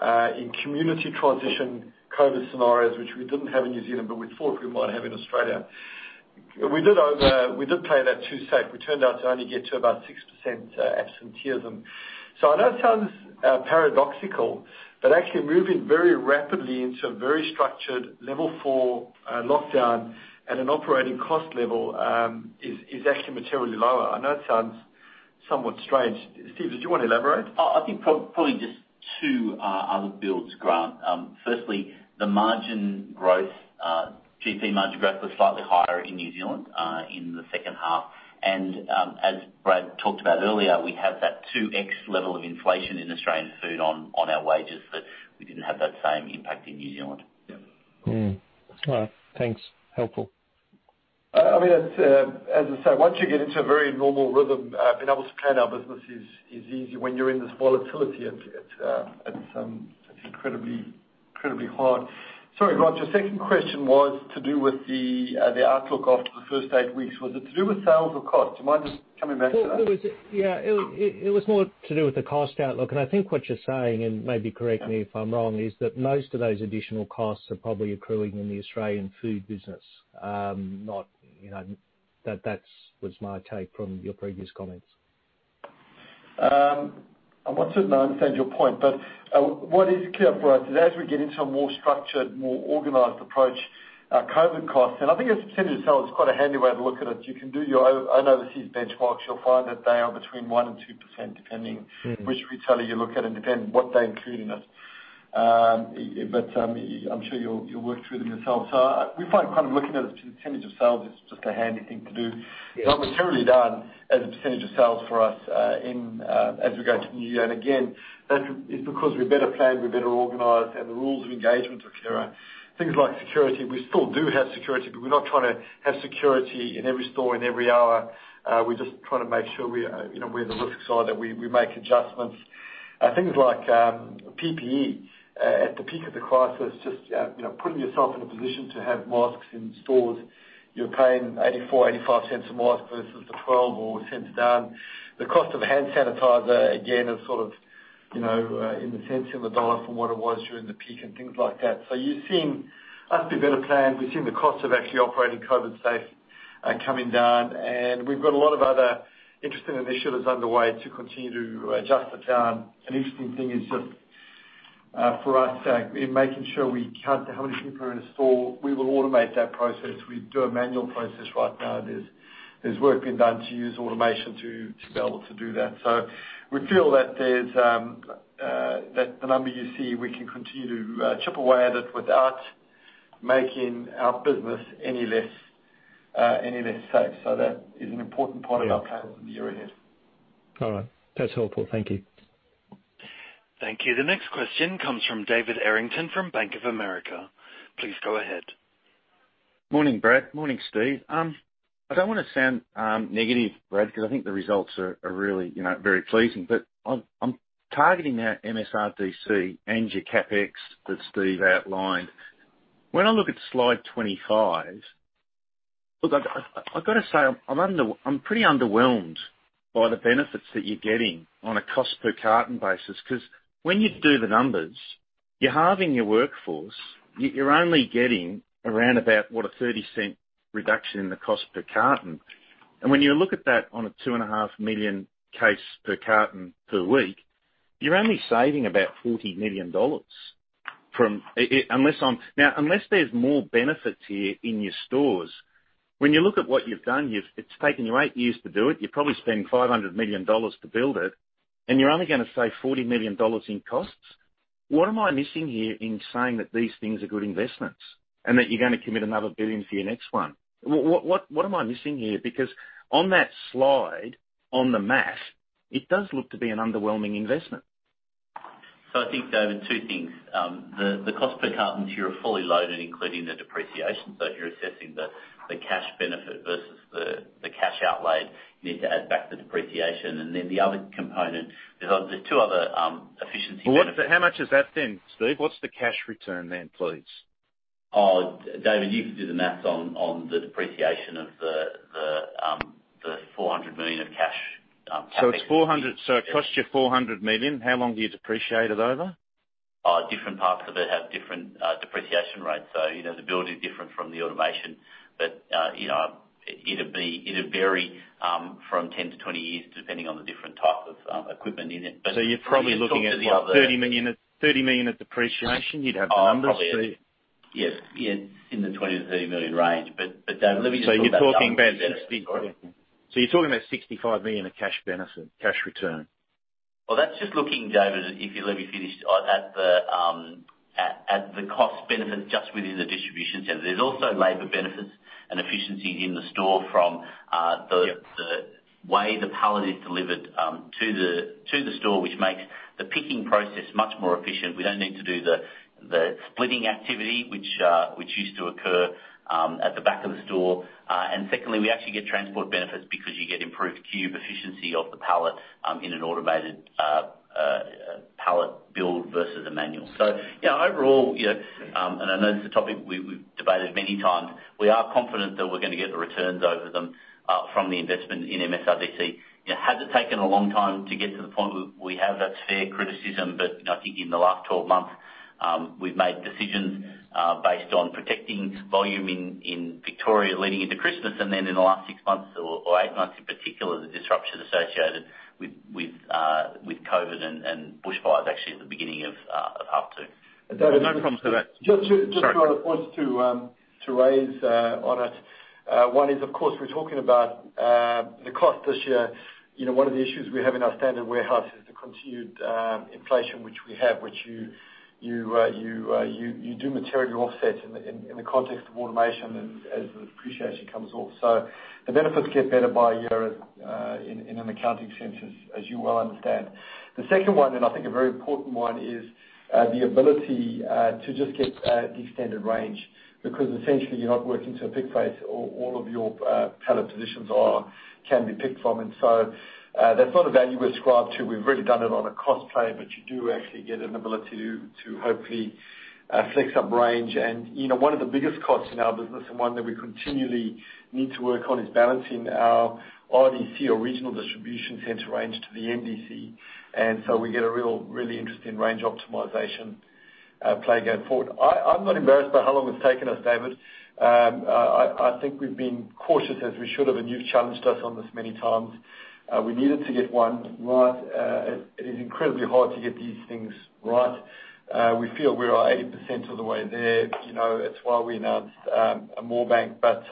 in community transition COVID scenarios, which we didn't have in New Zealand, but we thought we might have in Australia. We did play that too safe. We turned out to only get to about 6% absenteeism. So I know it sounds paradoxical, but actually moving very rapidly into a very structured Level 4 lockdown and an operating cost level is actually materially lower. I know it sounds somewhat strange. Steve, did you want to elaborate? I think probably just two other builds, Grant. Firstly, the margin growth, GP margin growth was slightly higher in New Zealand in the second half. As Brad talked about earlier, we have that two X level of inflation in Australian Food on our wages, but we didn't have that same impact in New Zealand. Yeah. All right, thanks. Helpful. I mean, it's as I say, once you get into a very normal rhythm, being able to plan our business is easy. When you're in this volatility, it's incredibly hard. Sorry, Grant, your second question was to do with the outlook after the first eight weeks. Was it to do with sales or costs? You mind just coming back to that? Yeah, it was more to do with the cost outlook. And I think what you're saying, and maybe correct me if I'm wrong, is that most of those additional costs are probably accruing in the Australian Food business, not. That's what was my take from your previous comments. I'm not certain I understand your point, but what is clear for us is as we get into a more structured, more organized approach, our COVID costs, and I think as a percentage of sales, it's quite a handy way to look at it. You can do your own overseas benchmarks. You'll find that they are between 1% and 2%, depending-... which retailer you look at and depending what they include in it. But I'm sure you'll work through them yourself. So we find kind of looking at it as a percentage of sales is just a handy thing to do. Yeah. Not materially done as a percentage of sales for us, in, as we go to the new year, and again, that is because we're better planned, we're better organized, and the rules of engagement are clearer. Things like security, we still do have security, but we're not trying to have security in every store, in every hour. We're just trying to make sure we are, you know, we're the risk side, that we make adjustments. Things like, PPE, at the peak of the crisis, just, you know, putting yourself in a position to have masks in stores, you're paying 0.84-0.85 a mask versus the 12 or so cents now. The cost of hand sanitizer, again, is sort of, you know, in the cents, in the dollar from what it was during the peak and things like that. So you're seeing us be better planned. We've seen the cost of actually operating COVIDSafe coming down, and we've got a lot of other interesting initiatives underway to continue to adjust it down. An interesting thing is just for us in making sure we count how many people are in a store, we will automate that process. We do a manual process right now. There's work being done to use automation to be able to do that. So we feel that there's that the number you see, we can continue to chip away at it without making our business any less safe. So that is an important part of our plan. Yeah... in the year ahead. All right. That's helpful. Thank you. Thank you. The next question comes from David Errington from Bank of America. Please go ahead. Morning, Brad. Morning, Steve. I don't wanna sound negative, Brad, 'cause I think the results are really, you know, very pleasing. But I'm targeting our MSRDC and your CapEx that Steve outlined. When I look at slide 25, look, I've gotta say, I'm pretty underwhelmed by the benefits that you're getting on a cost per carton basis, 'cause when you do the numbers, you're halving your workforce, you're only getting around about, what? A 0.30 reduction in the cost per carton. And when you look at that on a 2.5 million case per carton per week, you're only saving about 40 million dollars from... Now, unless there's more benefits here in your stores, when you look at what you've done, it's taken you eight years to do it. You've probably spent 500 million dollars to build it, and you're only gonna save 40 million dollars in costs. What am I missing here in saying that these things are good investments, and that you're gonna commit another 1 billion for your next one? What am I missing here? Because on that slide, on the math, it does look to be an underwhelming investment. So I think, David, two things. The cost per carton here are fully loaded, including the depreciation. So if you're assessing the cash benefit versus the cash outlay, you need to add back the depreciation. And then the other component is, there's two other efficiency- What's the... How much is that then, Steve? What's the cash return then, please? Oh, David, you can do the math on the depreciation of the 400 million of cash CapEx. So it costs you 400 million. How long do you depreciate it over? Different parts of it have different depreciation rates. So, you know, the building is different from the automation, but, you know, it'd be, it'd vary from 10-20 years, depending on the different types of equipment in it. But- So you're probably looking at what, 30 million, 30 million of depreciation? You'd have numbers for it. Oh, probably, yes, yeah, in the 20-30 million range. But, but, David, let me just- So you're talking about 65 million of cash benefit, cash return? That's just looking, David, if you let me finish, at the cost benefit just within the digital-... There's also labor benefits and efficiencies in the store from the way the pallet is delivered to the store, which makes the picking process much more efficient. We don't need to do the splitting activity, which used to occur at the back of the store. And secondly, we actually get transport benefits because you get improved cube efficiency of the pallet in an automated pallet build versus a manual. So, you know, overall, you know, and I know this is a topic we, we've debated many times, we are confident that we're gonna get the returns over them from the investment in MSRDC. It has taken a long time to get to the point where we have that fair criticism, but I think in the last 12 months, we've made decisions based on protecting volume in Victoria leading into Christmas, and then in the last 6 months or 8 months, in particular, the disruption associated with COVID and bushfires, actually, at the beginning of half two. There was no problem with that. Sorry. Just to add a point to raise on it. One is, of course, we're talking about the cost this year. You know, one of the issues we have in our standard warehouse is the continued inflation, which we have, which you do materially offset in the context of automation as the depreciation comes off. So the benefits get better by year in an accounting sense, as you well understand. The second one, and I think a very important one, is the ability to just get the extended range, because essentially, you're not working to a pick face. All of your pallet positions can be picked from. And so, that's not a value we ascribe to. We've really done it on a cost play, but you do actually get an ability to hopefully flex up range. You know, one of the biggest costs in our business, and one that we continually need to work on, is balancing our RDC, or regional distribution center range, to the NDC. So we get a really interesting range optimization play going forward. I'm not embarrassed by how long it's taken us, David. I think we've been cautious, as we should have, and you've challenged us on this many times. We needed to get one right. It is incredibly hard to get these things right. We feel we are 80% of the way there. You know, that's why we announced a Moorebank, but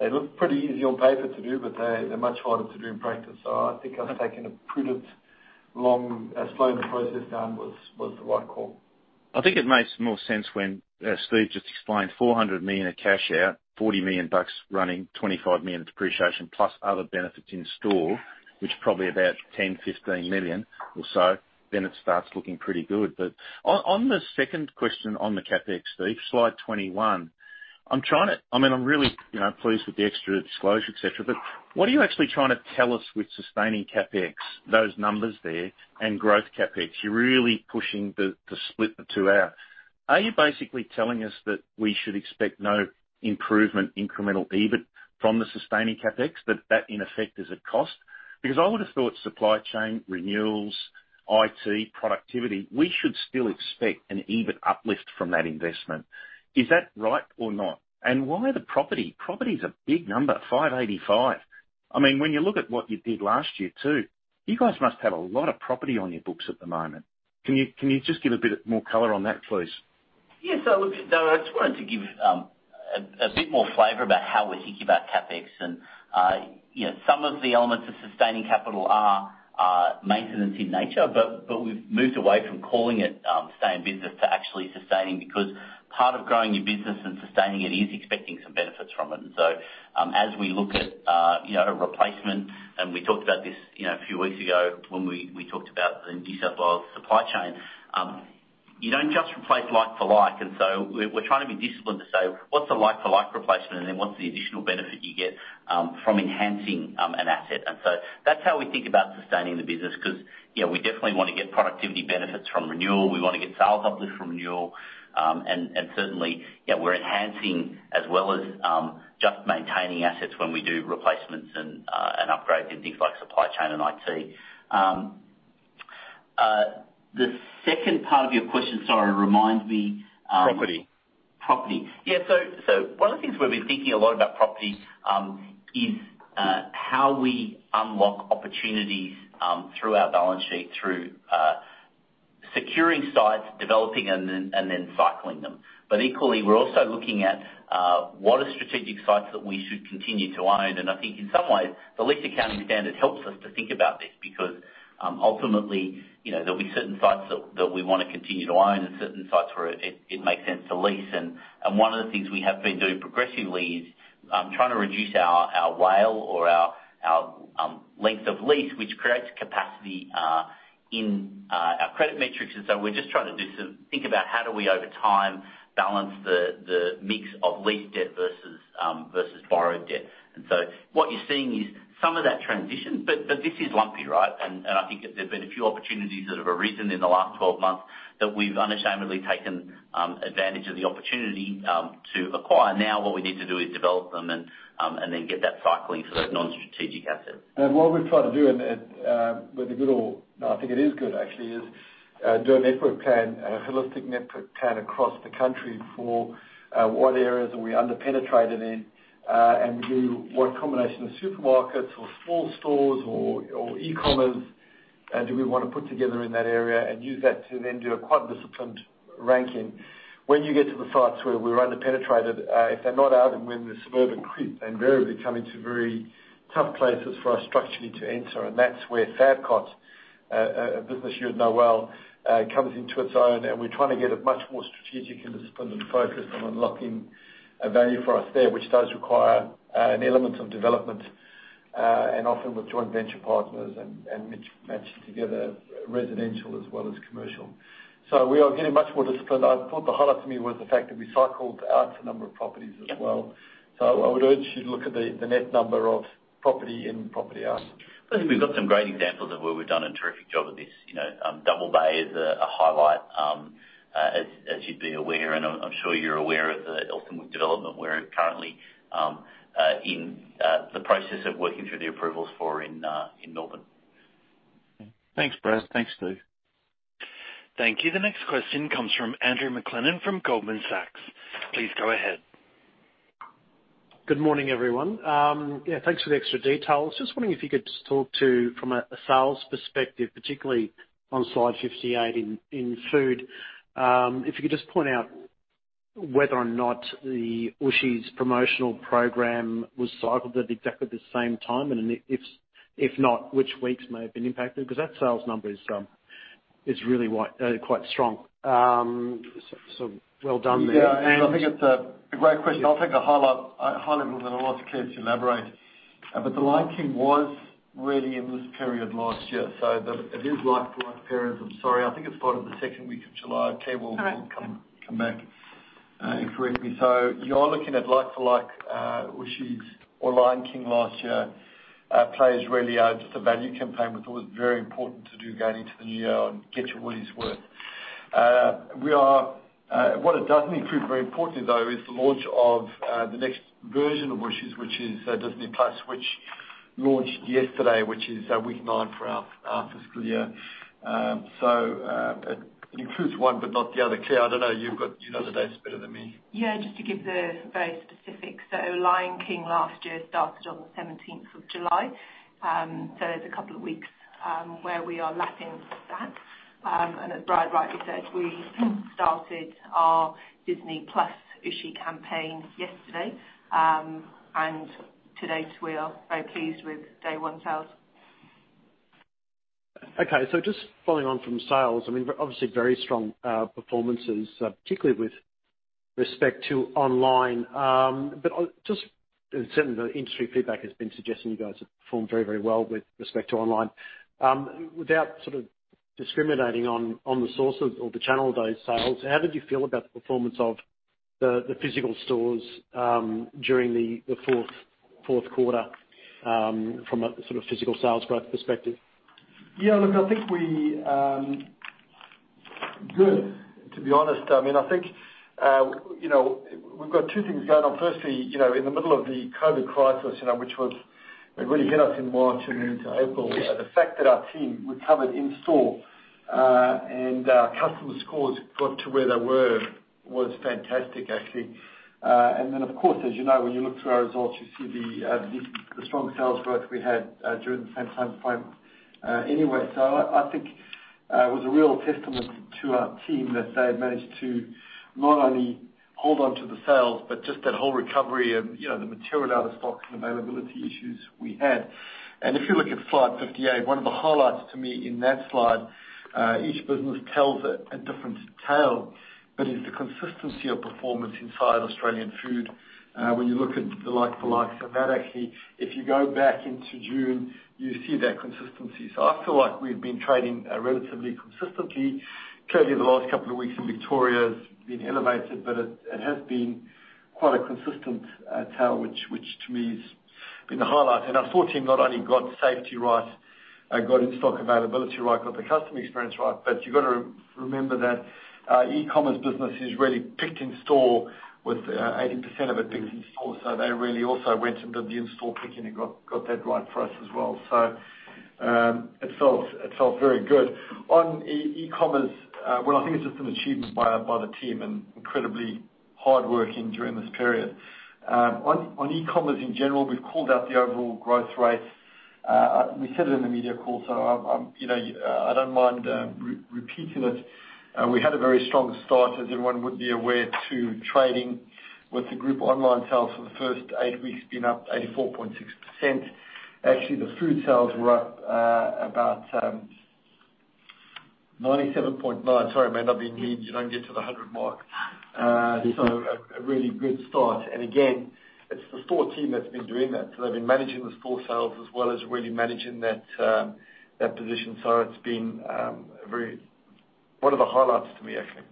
they look pretty easy on paper to do, but they're much harder to do in practice. So I think us taking a prudent, long slowing the process down was the right call. I think it makes more sense when, as Steve just explained, 400 million of cash out, 40 million bucks running, 25 million in depreciation, plus other benefits in store, which is probably about 10 million-15 million or so, then it starts looking pretty good. But on the second question on the CapEx, Steve, slide 21, I'm trying to. I mean, I'm really, you know, pleased with the extra disclosure, et cetera, but what are you actually trying to tell us with sustaining CapEx, those numbers there, and growth CapEx? You're really pushing the, to split the two out. Are you basically telling us that we should expect no improvement incremental EBIT from the sustaining CapEx, that that, in effect, is a cost? Because I would've thought supply chain, renewals, IT, productivity, we should still expect an EBIT uplift from that investment. Is that right or not? And why the property? Property's a big number, 585. I mean, when you look at what you did last year, too, you guys must have a lot of property on your books at the moment. Can you just give a bit more color on that, please? Yes. So look, though, I just wanted to give a bit more flavor about how we're thinking about CapEx and, you know, some of the elements of sustaining capital are maintenance in nature, but we've moved away from calling it staying in business to actually sustaining, because part of growing your business and sustaining it is expecting some benefits from it. And so, as we look at, you know, a replacement, and we talked about this, you know, a few weeks ago when we talked about the New South Wales supply chain, you don't just replace like for like, and so we're trying to be disciplined to say, "What's the like for like replacement, and then what's the additional benefit you get from enhancing an asset?" And so that's how we think about sustaining the business, 'cause, you know, we definitely want to get productivity benefits from renewal, we wanna get sales uplift from renewal, and certainly, you know, we're enhancing as well as just maintaining assets when we do replacements and upgrades in things like supply chain and IT. The second part of your question, sorry, reminds me. Property. Property. Yeah, so one of the things we've been thinking a lot about property is how we unlock opportunities through our balance sheet, through securing sites, developing them, and then cycling them. But equally, we're also looking at what are strategic sites that we should continue to own? And I think in some ways, the lease accounting standard helps us to think about this because ultimately, you know, there'll be certain sites that we wanna continue to own and certain sites where it makes sense to lease. And one of the things we have been doing progressively is trying to reduce our WALE or our length of lease, which creates capacity in our credit metrics. And so we're just trying to think about how do we, over time, balance the mix of lease debt versus borrowed debt. And so what you're seeing is some of that transition, but this is lumpy, right? And I think there have been a few opportunities that have arisen in the last twelve months that we've unashamedly taken advantage of the opportunity to acquire. Now, what we need to do is develop them and then get that cycling for those non-strategic assets. And what we've tried to do, with the good old, I think it is good, actually, is, do a network plan, a holistic network plan across the country for, what areas are we under-penetrated in, and do what combination of supermarkets or small stores or e-commerce? And do we want to put together in that area and use that to then do a quad disciplined ranking? When you get to the sites where we're under-penetrated, if they're not out and when the suburban creep invariably come into very tough places for us structurally to enter, and that's where Fabcot, a business you'd know well, comes into its own, and we're trying to get a much more strategic and disciplined focus on unlocking value for us there, which does require an element of development, and often with joint venture partners and matched together, residential as well as commercial. So we are getting much more disciplined. I thought the highlight to me was the fact that we cycled out a number of properties as well. Yep. So I would urge you to look at the net number of property in, property out. Plus, we've got some great examples of where we've done a terrific job at this. You know, Double Bay is a highlight, as you'd be aware, and I'm sure you're aware of the Elsternwick development, we're currently in the process of working through the approvals for in Melbourne. Thanks, Brad. Thanks, Steve. Thank you. The next question comes from Andrew McLennan from Goldman Sachs. Please go ahead. Good morning, everyone. Yeah, thanks for the extra details. Just wondering if you could just talk to, from a sales perspective, particularly on slide fifty-eight in food, if you could just point out whether or not the Ooshies promotional program was cycled at exactly the same time, and then if not, which weeks may have been impacted? Because that sales number is really quite strong. So well done there, and- Yeah, I think it's a great question. I'll take the highlight, and then I'll ask Claire to elaborate. But the Lion King was really in this period last year, so the... It is like last periods. I'm sorry, I think it started the second week of July. Claire will- All right. Come back and correct me. So you're looking at like-to-like Ooshies or Lion King last year. It plays really out just a value campaign, which was very important to do going into the new year and get your money's worth. What it doesn't include, very importantly, though, is the launch of the next version of Ooshies, which is Disney+, which launched yesterday, which is week nine for our fiscal year. So it includes one, but not the other. Claire, I don't know, you've got... You know the dates better than me. Yeah, just to give the very specifics, so Lion King last year started on the seventeenth of July. So there's a couple of weeks where we are lacking that. And as Brad rightly said, we started our Disney+ Ooshies campaign yesterday. And to date, we are very pleased with day one sales. Okay. So just following on from sales, I mean, obviously very strong performances, particularly with respect to online. But and certainly the industry feedback has been suggesting you guys have performed very, very well with respect to online. Without sort of discriminating on the sources or the channel of those sales, how did you feel about the performance of the physical stores during the fourth quarter from a sort of physical sales growth perspective? Yeah, look, I think we're good, to be honest. I mean, I think, you know, we've got two things going on. Firstly, you know, in the middle of the COVID crisis, you know, which was it really hit us in March and into April. The fact that our team recovered in-store and our customer scores got to where they were was fantastic, actually. And then, of course, as you know, when you look through our results, you see the strong sales growth we had during the same time frame, anyway. So I think it was a real testament to our team that they managed to not only hold on to the sales, but just that whole recovery of, you know, the material out of stocks and availability issues we had. And if you look at slide 58, one of the highlights to me in that slide, each business tells a different tale, but it's the consistency of performance inside Australian Food. When you look at the like for likes, and that actually, if you go back into June, you see that consistency. So I feel like we've been trading relatively consistently. Clearly, the last couple of weeks in Victoria has been elevated, but it has been quite a consistent tale, which to me has been the highlight. And our store team not only got safety right, got in-stock availability right, got the customer experience right, but you've got to remember that e-commerce business is really picked in-store with 80% of it picked in-store. So they really also went and did the in-store picking and got that right for us as well. It felt very good. On e-commerce, well, I think it's just an achievement by the team and incredibly hardworking during this period. On e-commerce in general, we've called out the overall growth rate. We said it in the media call, so I'm, you know, repeating it. We had a very strong start, as everyone would be aware, to trading with the group online sales for the first eight weeks being up 84.6%. Actually, the food sales were up about 97.9%. Sorry, I mean, you don't get to the 100 mark. So a really good start. And again, it's the store team that's been doing that. So they've been managing the store sales as well as really managing that position. So it's been very... One of the highlights to me, actually.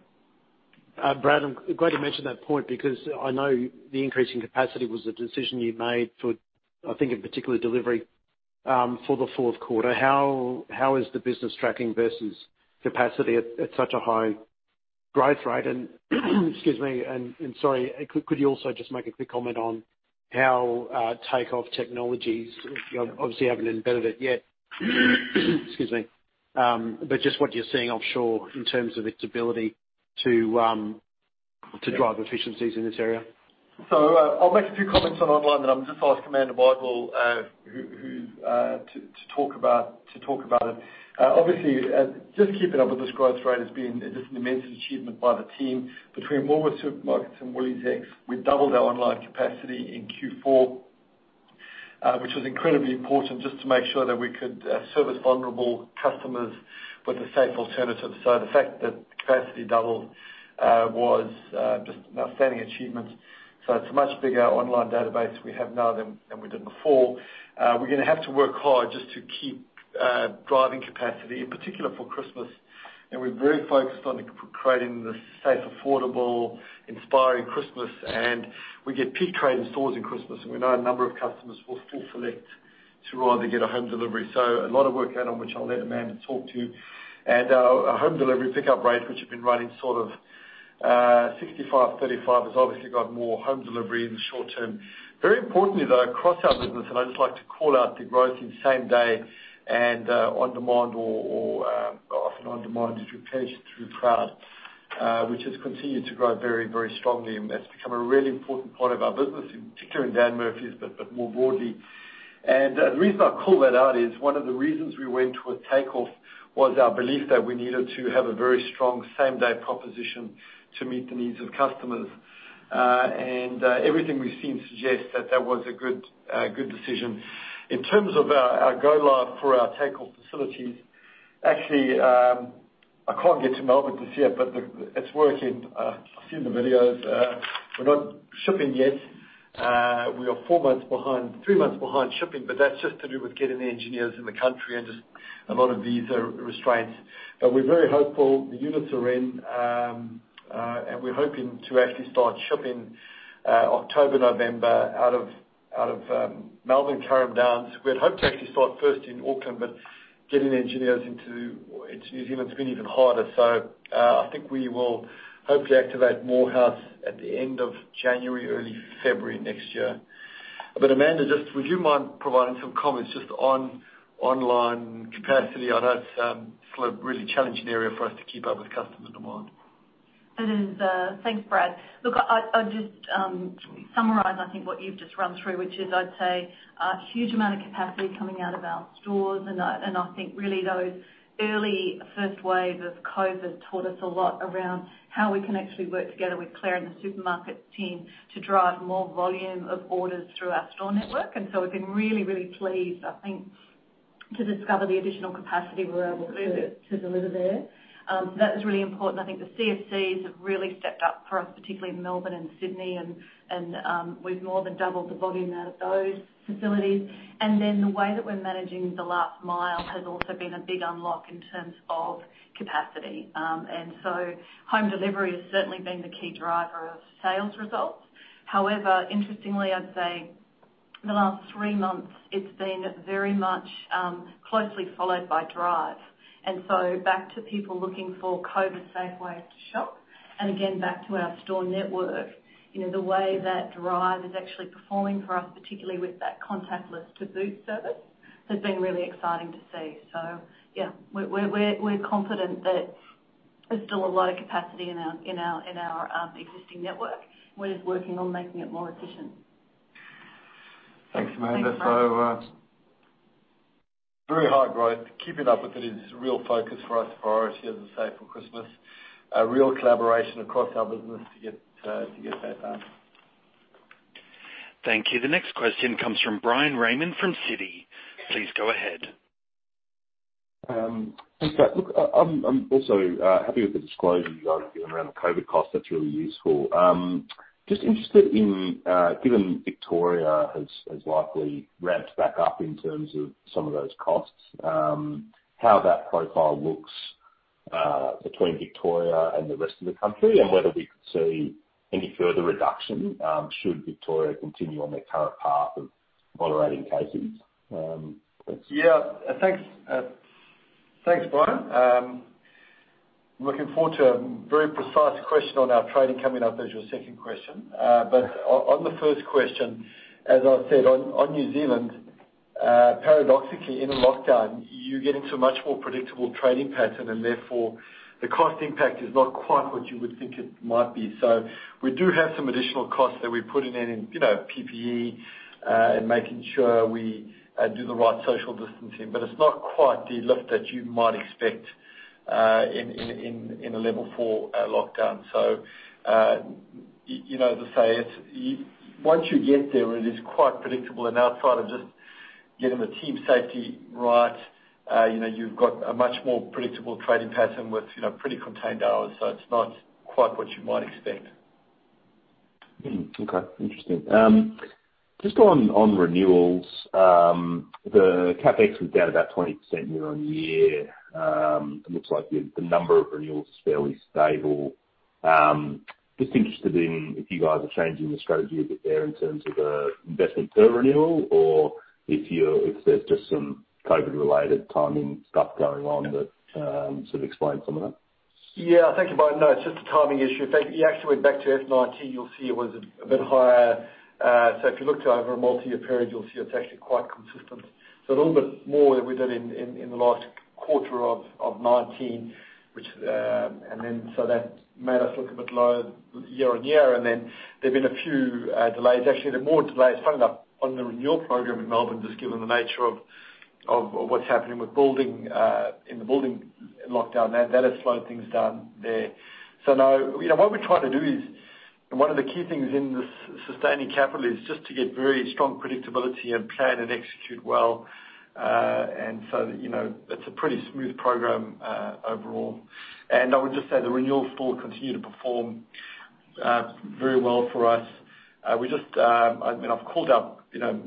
Brad, I'm glad you mentioned that point, because I know the increase in capacity was a decision you made for, I think, in particular, delivery, for the fourth quarter. How is the business tracking versus capacity at such a high growth rate? And, excuse me, sorry, could you also just make a quick comment on how, Takeoff Technologies, you obviously haven't embedded it yet, excuse me, but just what you're seeing offshore in terms of its ability to,... to drive efficiencies in this area? I'll make a few comments on online, and then I'll just ask Amanda Bardwell to talk about it. Obviously, just keeping up with this growth rate has been just an immense achievement by the team. Between Woolworths Supermarkets and WooliesX, we've doubled our online capacity in Q4, which was incredibly important just to make sure that we could service vulnerable customers with a safe alternative. The fact that the capacity doubled was just an outstanding achievement. It's a much bigger online database we have now than we did before. We're gonna have to work hard just to keep driving capacity, in particular for Christmas. We're very focused on creating the safe, affordable, inspiring Christmas, and we get peak trade in stores in Christmas, and we know a number of customers will still select to rather get a home delivery. So a lot of work going on, which I'll let Amanda talk to. Our home delivery pickup rate, which has been running sort of 65-35, has obviously got more home delivery in the short term. Very importantly, though, across our business, and I'd just like to call out the growth in same-day and on-demand or often on-demand if you pace through the crowd, which has continued to grow very, very strongly, and that's become a really important part of our business, in particular in Dan Murphy's, but more broadly. The reason I call that out is one of the reasons we went with Takeoff was our belief that we needed to have a very strong same-day proposition to meet the needs of customers. Everything we've seen suggests that that was a good decision. In terms of our go live for our Takeoff facilities, actually, I can't get to Melbourne to see it, but it's working. I've seen the videos. We're not shipping yet. We are three months behind shipping, but that's just to do with getting the engineers in the country and just a lot of visa restraints. But we're very hopeful. The units are in, and we're hoping to actually start shipping October, November, out of Melbourne, Carrum Downs. We had hoped to actually start first in Auckland, but getting the engineers into New Zealand has been even harder. So, I think we will hopefully activate Moorhouse at the end of January, early February next year. But Amanda, just would you mind providing some comments just on online capacity? I know it's still a really challenging area for us to keep up with customer demand. It is. Thanks, Brad. Look, I'll just summarize, I think, what you've just run through, which is, I'd say, a huge amount of capacity coming out of our stores. And I think really those early first waves of COVID taught us a lot around how we can actually work together with Claire and the supermarket team to drive more volume of orders through our store network. And so we've been really pleased, I think, to discover the additional capacity we're able to deliver there. That was really important. I think the CFCs have really stepped up for us, particularly in Melbourne and Sydney, and we've more than doubled the volume out of those facilities. And then the way that we're managing the last mile has also been a big unlock in terms of capacity. And so home delivery has certainly been the key driver of sales results. However, interestingly, I'd say the last three months, it's been very much closely followed by Drive. And so back to people looking for COVID-safe way to shop, and again, back to our store network, you know, the way that Drive is actually performing for us, particularly with that contactless to-boot service, has been really exciting to see. So yeah, we're confident that there's still a lot of capacity in our existing network. We're just working on making it more efficient. Thanks, Amanda. Thanks, Brad. So, very high growth. Keeping up with it is a real focus for us, for our supply for Christmas, a real collaboration across our business to get that done. Thank you. The next question comes from Bryan Raymond from Citi. Please go ahead. Thanks, Brad. Look, I'm also happy with the disclosure you guys have given around the COVID cost. That's really useful. Just interested in, given Victoria has likely ramped back up in terms of some of those costs, how that profile looks between Victoria and the rest of the country, and whether we could see any further reduction should Victoria continue on their current path of moderating cases? That's- Yeah. Thanks, thanks, Bryan. Looking forward to a very precise question on our trading coming up as your second question. But on the first question, as I said, on New Zealand, paradoxically, in a lockdown, you get into a much more predictable trading pattern, and therefore the cost impact is not quite what you would think it might be. So we do have some additional costs that we're putting in, you know, PPE, and making sure we do the right social distancing, but it's not quite the lift that you might expect in a Level Four lockdown. So, you know, as I say, it's... Once you get there, it is quite predictable, and outside of just getting the team safety right, you know, you've got a much more predictable trading pattern with, you know, pretty contained hours, so it's not quite what you might expect. Okay. Interesting. Just on renewals, the CapEx was down about 20% year on year. It looks like the number of renewals is fairly stable. Just interested in if you guys are changing the strategy a bit there in terms of investment per renewal, or if there's just some COVID-related timing stuff going on that sort of explains some of that? Yeah. Thank you, Bryan. No, it's just a timing issue. If you actually went back to FY19, you'll see it was a bit higher. So if you looked over a multi-year period, you'll see it's actually quite consistent. So a little bit more than we did in the last quarter of 2019, which and then so that made us look a bit lower year-on-year, and then there have been a few delays. Actually, there are more delays coming up on the renewal program in Melbourne, just given the nature of what's happening with building in the building lockdown, that has slowed things down there. So now, you know, what we're trying to do is, and one of the key things in this sustaining capital is just to get very strong predictability and plan and execute well. And so, you know, it's a pretty smooth program, overall. And I would just say the renewal store continued to perform, very well for us. We just, I mean, I've called out, you know,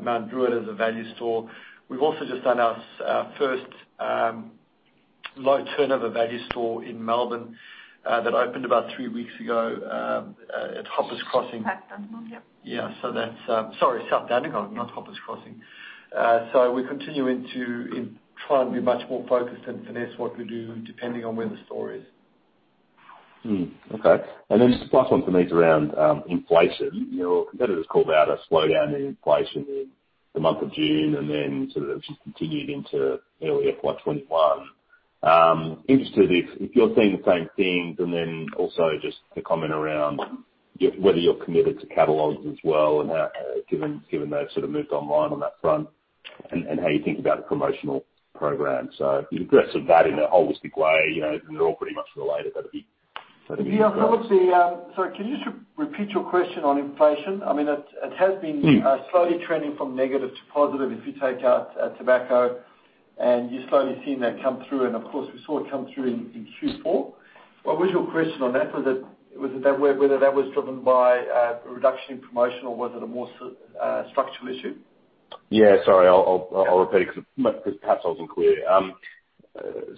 Mount Druitt as a value store. We've also just done our, first, low turnover value store in Melbourne, that opened about three weeks ago, at Hoppers Crossing. South Dandenong, yep. Yeah, so that's, sorry, South Dandenong, not Hoppers Crossing. So we're continuing to try and be much more focused and finesse what we do, depending on where the store is. Okay. And then just last one for me is around inflation. You know, competitors called out a slowdown in inflation in the month of June, and then sort of just continued into early FY21. Interested if you're seeing the same things, and then also just a comment around whether you're committed to catalogs as well, and how, given they've sort of moved online on that front, and how you think about the promotional program. So the progress of that in a holistic way, you know, they're all pretty much related, but it'd be- Yeah, some of the... Sorry, can you just repeat your question on inflation? I mean, it has been-... slowly trending from negative to positive if you take out tobacco, and you're slowly seeing that come through. And of course, we saw it come through in Q4. What was your question on that? Was it that whether that was driven by a reduction in promotion or was it a more structural issue? Yeah, sorry. I'll repeat it because perhaps I wasn't clear.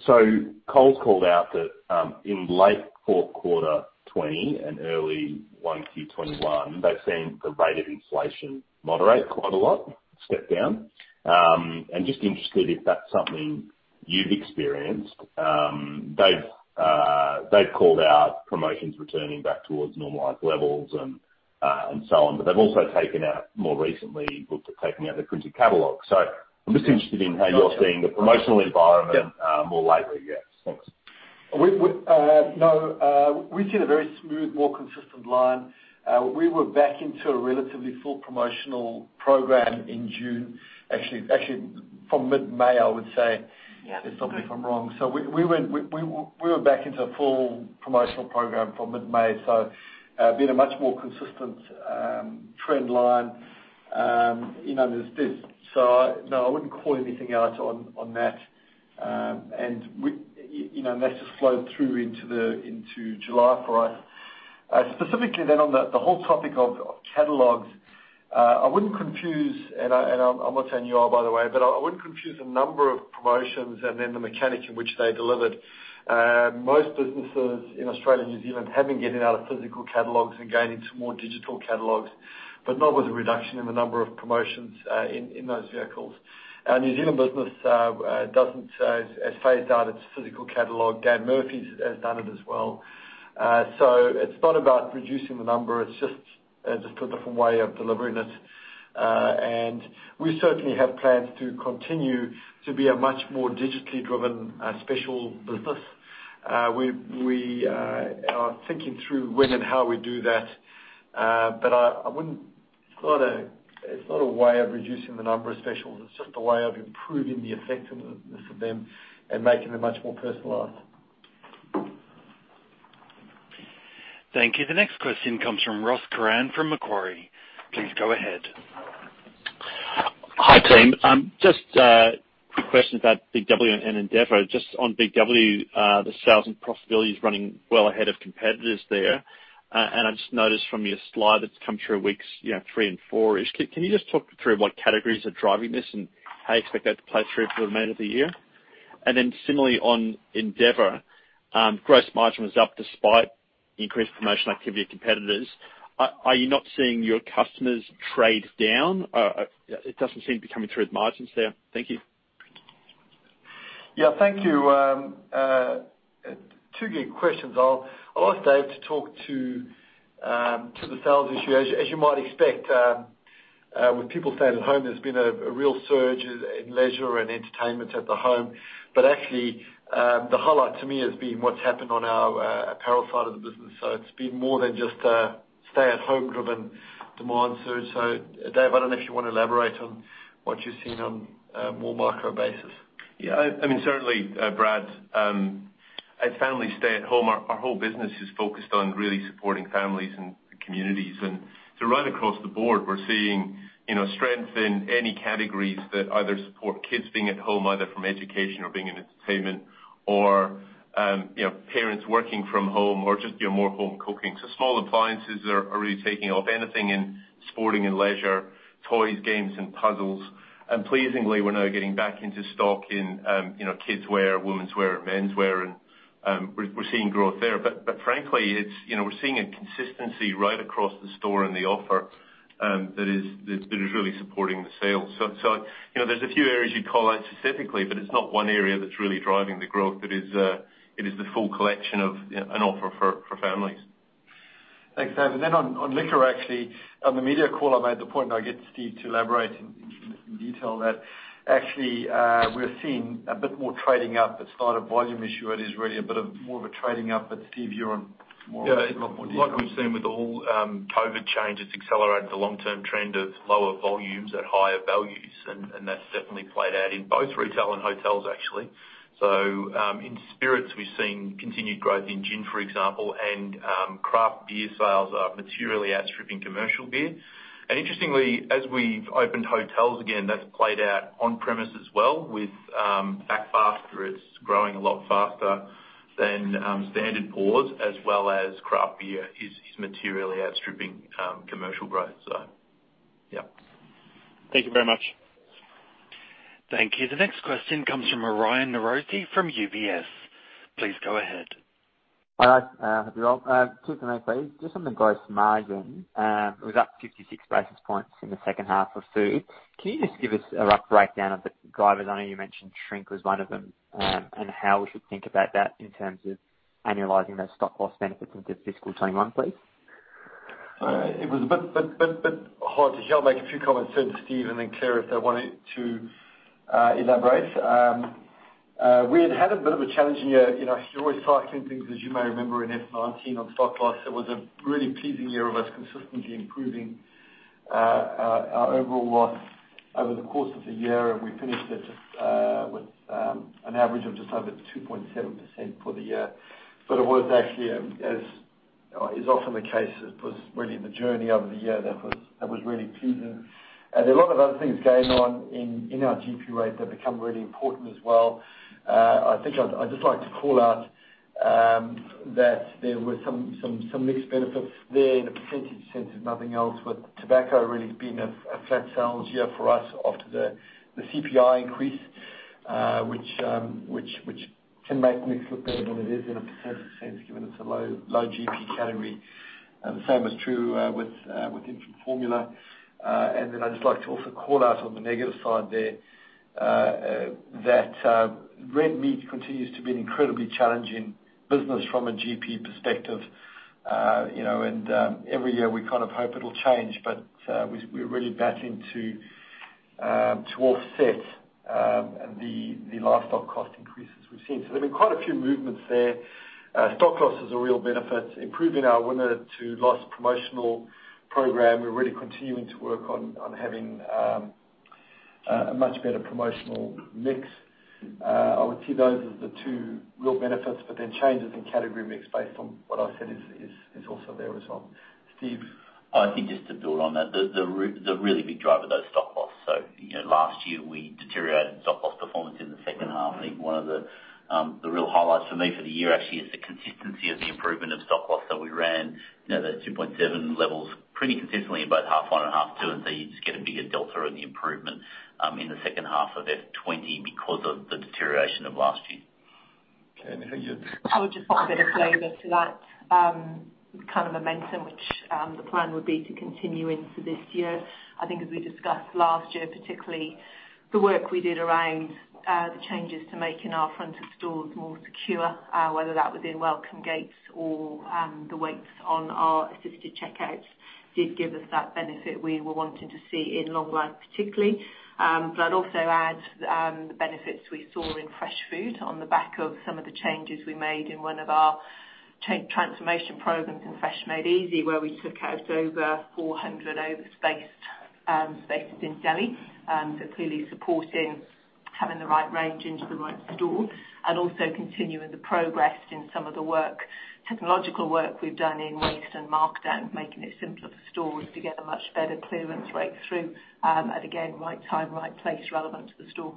So Coles called out that in late fourth quarter 2020 and early 1Q21, they've seen the rate of inflation moderate quite a lot, step down. And just interested if that's something you've experienced? They've called out promotions returning back towards normalized levels and so on, but they've also more recently looked at taking out their printed catalog. So I'm just interested in how you're seeing the promotional environment more lately. Yeah, thanks. We've seen a very smooth, more consistent line. We were back into a relatively full promotional program in June. Actually from mid-May, I would say. Yeah. And stop me if I'm wrong. So we went - we were back into a full promotional program from mid-May, so been a much more consistent trend line, you know, there's this. So no, I wouldn't call anything out on that. And we - you know, and that's just flowed through into July for us. Specifically then on the whole topic of catalogs, I wouldn't confuse, and I'm not saying you are, by the way, but I wouldn't confuse a number of promotions and then the mechanics in which they delivered. Most businesses in Australia and New Zealand have been getting out of physical catalogs and going into more digital catalogs, but not with a reduction in the number of promotions in those vehicles. Our New Zealand business has phased out its physical catalog. Dan Murphy's has done it as well. So it's not about reducing the number, it's just a different way of delivering it. And we certainly have plans to continue to be a much more digitally driven special business. We are thinking through when and how we do that, but I wouldn't. It's not a way of reducing the number of specials. It's just a way of improving the effectiveness of them and making them much more personalized. Thank you. The next question comes from Ross Curran from Macquarie. Please go ahead. Hi, team. Just quick questions about Big W and Endeavour. Just on Big W, the sales and profitability is running well ahead of competitors there. And I just noticed from your slide, it's come through weeks, you know, three and four-ish. Can you just talk through what categories are driving this and how you expect that to play through for the remainder of the year? And then similarly on Endeavour, gross margin was up despite increased promotional activity of competitors. Are you not seeing your customers trade down? It doesn't seem to be coming through with margins there. Thank you. Yeah, thank you. Two good questions. I'll ask Dave to talk to the sales issue. As you might expect, with people staying at home, there's been a real surge in leisure and entertainment at the home. But actually, the highlight to me has been what's happened on our apparel side of the business. So it's been more than just a stay-at-home driven demand surge. So Dave, I don't know if you want to elaborate on what you've seen on a more micro basis. Yeah, I mean, certainly, Brad, as families stay at home, our whole business is focused on really supporting families and communities. And so right across the board, we're seeing, you know, strength in any categories that either support kids being at home, either from education or being in entertainment or, you know, parents working from home or just, you know, more home cooking. So small appliances are really taking off. Anything in sporting and leisure, toys, games, and puzzles. And pleasingly, we're now getting back into stock in, you know, kids' wear, women's wear, and men's wear, and, we're seeing growth there. But frankly, it's, you know, we're seeing a consistency right across the store and the offer, that is really supporting the sales. So, you know, there's a few areas you'd call out specifically, but it's not one area that's really driving the growth. It is the full collection of an offer for families.... Thanks, Dave. And then on liquor, actually, on the media call, I made the point, and I'll get Steve to elaborate in detail, that actually, we're seeing a bit more trading up. It's not a volume issue, it is really a bit more of a trading up, but Steve, you're more- Yeah. A lot more detail. Like we've seen with all COVID changes, it's accelerated the long-term trend of lower volumes at higher values, and that's definitely played out in both retail and hotels, actually. So in spirits, we've seen continued growth in gin, for example, and craft beer sales are materially outstripping commercial beer. And interestingly, as we've opened hotels again, that's played out on premise as well with back bar. It's growing a lot faster than standard pours, as well as craft beer is materially outstripping commercial growth. So yeah. Thank you very much. Thank you. The next question comes from Aryan Norozi from UBS. Please go ahead. Hi, good two from me, please. Just on the gross margin, it was up fifty-six basis points in the second half of food. Can you just give us a rough breakdown of the drivers? I know you mentioned shrink was one of them, and how we should think about that in terms of annualizing those stock loss benefits into fiscal 2021, please. It was a bit hard to hear. I'll make a few comments then to Steve and then Claire, if they wanted to elaborate. We had had a bit of a challenging year. You know, you're always cycling things, as you may remember, in FY19 on stock loss. It was a really pleasing year of us consistently improving our overall loss over the course of the year, and we finished it with an average of just over 2.7% for the year, but it was actually as is often the case, it was really the journey over the year that was really pleasing, and a lot of other things going on in our GP rate that become really important as well. I think I'd just like to call out that there were some mixed benefits there in a percentage sense, if nothing else, with tobacco really being a flat sales year for us after the CPI increase, which can make mix look better than it is in a percentage sense, given it's a low GP category. The same is true with infant formula. And then I'd just like to also call out on the negative side there that red meat continues to be an incredibly challenging business from a GP perspective. You know, and every year we kind of hope it'll change, but we're really battling to offset the livestock cost increases we've seen. So there've been quite a few movements there. Stock loss is a real benefit, improving our winner-to-loss promotional program. We're really continuing to work on having a much better promotional mix. I would see those as the two real benefits, but then changes in category mix based on what I said is also there as well. Steve? I think just to build on that, the really big driver of those stock losses. So, you know, last year, we deteriorated stock loss performance in the second half. I think one of the real highlights for me for the year actually is the consistency of the improvement of stock loss that we ran. You know, that two point seven level's pretty consistently in both half one and half two, and so you just get a bigger delta in the improvement, in the second half of F-20 because of the deterioration of last year. Okay, and how are you? I would just pop a bit of flavor to that, kind of momentum, which, the plan would be to continue into this year. I think as we discussed last year, particularly the work we did around, the changes to making our front of stores more secure, whether that was in welcome gates or, the weights on our assisted checkouts, did give us that benefit we were wanting to see in long life, particularly. But I'd also add, the benefits we saw in fresh food on the back of some of the changes we made in one of our transformation programs in Fresh Made Easy, where we took out over 400 overspaced spaces in deli. So clearly supporting having the right range into the right store and also continuing the progress in some of the work, technological work we've done in waste and markdown, making it simpler for stores to get a much better clearance rate through, and again, right time, right place relevant to the store.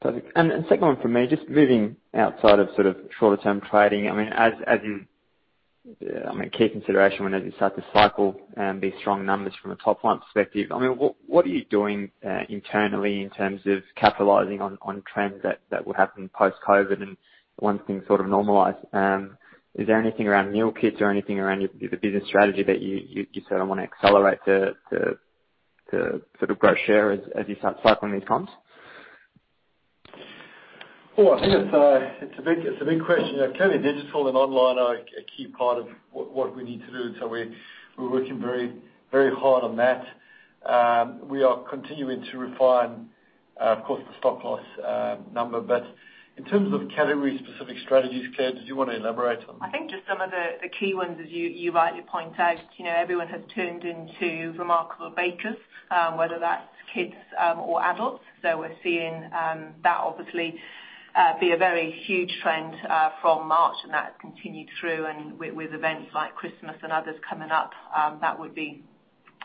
Perfect. And second one from me, just moving outside of sort of shorter term trading, I mean, as you... I mean, key consideration whenever you start to cycle these strong numbers from a top line perspective, I mean, what are you doing internally in terms of capitalizing on trends that will happen post-COVID and once things sort of normalize? Is there anything around meal kits or anything around your the business strategy that you sort of want to accelerate the sort of growth share as you start cycling these comps? I think it's a big question. You know, clearly, digital and online are a key part of what we need to do, so we're working very, very hard on that. We are continuing to refine, of course, the stock loss number. But in terms of category-specific strategies, Claire, did you want to elaborate on that? I think just some of the key ones, as you rightly point out, you know, everyone has turned into remarkable bakers, or adults. So we're seeing that obviously be a very huge trend from March, and that continued through, and with events like Christmas and others coming up, that would be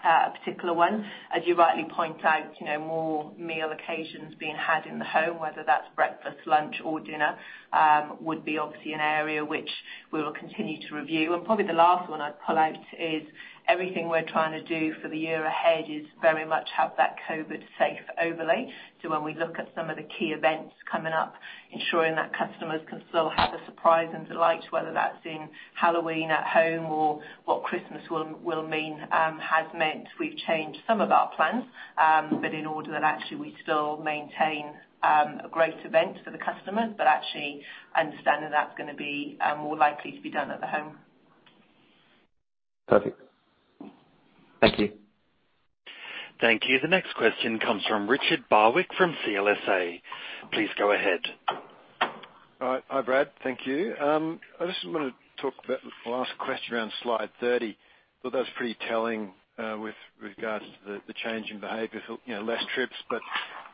a particular one. As you rightly point out, you know, more meal occasions being had in the home, whether that's breakfast, lunch, or dinner, would be obviously an area which we will continue to review. And probably the last one I'd pull out is everything we're trying to do for the year ahead is very much have that COVIDSafe overlay. So when we look at some of the key events coming up, ensuring that customers can still have the surprise and delight, whether that's in Halloween at home or what Christmas will mean has meant we've changed some of our plans, but in order that actually we still maintain a great event for the customers, but actually understanding that's gonna be more likely to be done at the home.... Perfect. Thank you. Thank you. The next question comes from Richard Barwick from CLSA. Please go ahead. Hi, hi, Brad. Thank you. I just want to talk about the last question around slide 30. Thought that was pretty telling with regards to the change in behavior, so you know, less trips, but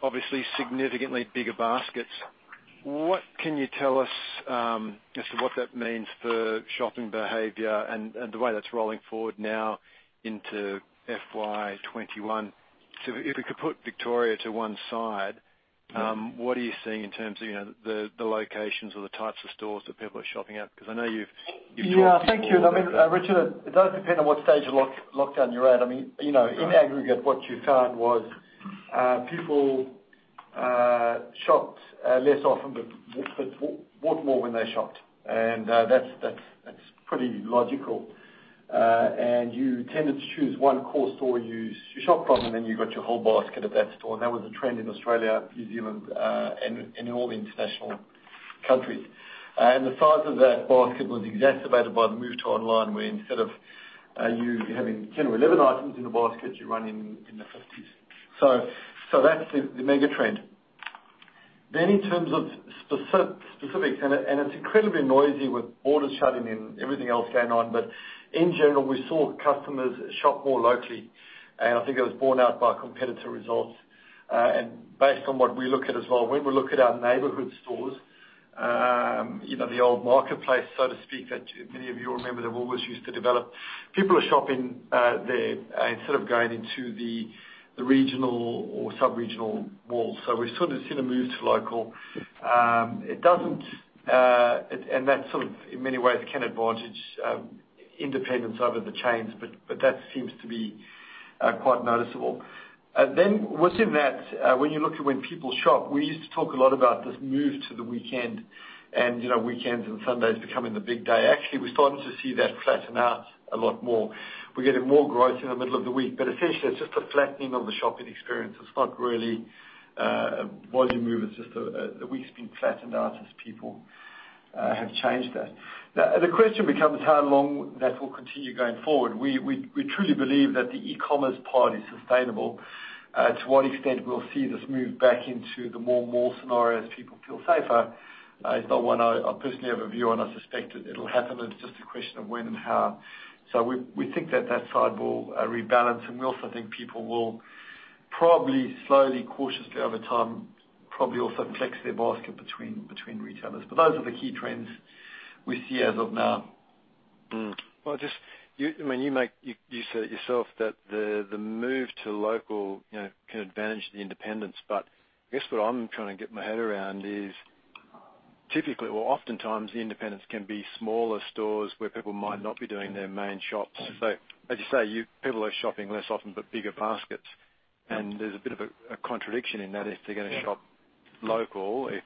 obviously significantly bigger baskets. What can you tell us as to what that means for shopping behavior and the way that's rolling forward now into FY21? So if we could put Victoria to one side, what are you seeing in terms of you know, the locations or the types of stores that people are shopping at? Because I know you've talked- Yeah. Thank you. I mean, Richard, it does depend on what stage of lockdown you're at. I mean, you know, in aggregate, what you found was, people shopped less often, but bought more when they shopped. And that's pretty logical. And you tended to choose one core store you shop from, and then you got your whole basket at that store. And that was a trend in Australia, New Zealand, and in all the international countries. And the size of that basket was exacerbated by the move to online, where instead of you having 10 or 11 items in a basket, you're running in the fifties. So that's the mega trend. Then in terms of specifics, and it's incredibly noisy with borders shutting and everything else going on, but in general, we saw customers shop more locally, and I think it was borne out by competitor results. And based on what we look at as well, when we look at our neighborhood stores, you know, the old marketplace, so to speak, that many of you remember that Woolworths used to develop, people are shopping there instead of going into the regional or subregional malls. So we've sort of seen a move to local. It doesn't... And that sort of, in many ways, can advantage independents over the chains, but that seems to be quite noticeable. Then within that, when you look at when people shop, we used to talk a lot about this move to the weekend and, you know, weekends and Sundays becoming the big day. Actually, we're starting to see that flatten out a lot more. We're getting more growth in the middle of the week, but essentially it's just a flattening of the shopping experience. It's not really a volume move, it's just the week's been flattened out as people have changed that. Now, the question becomes how long that will continue going forward. We truly believe that the e-commerce part is sustainable. To what extent we'll see this move back into the more mall scenario as people feel safer is not one I personally have a view on. I suspect it, it'll happen, it's just a question of when and how. So we think that that side will rebalance, and we also think people will probably slowly, cautiously, over time, probably also flex their basket between retailers. But those are the key trends we see as of now. You said it yourself that the move to local, you know, can advantage the independents, but I guess what I'm trying to get my head around is typically or oftentimes the independents can be smaller stores where people might not be doing their main shops. So as you say, people are shopping less often, but bigger baskets, and there's a bit of a contradiction in that if they're gonna shop local, if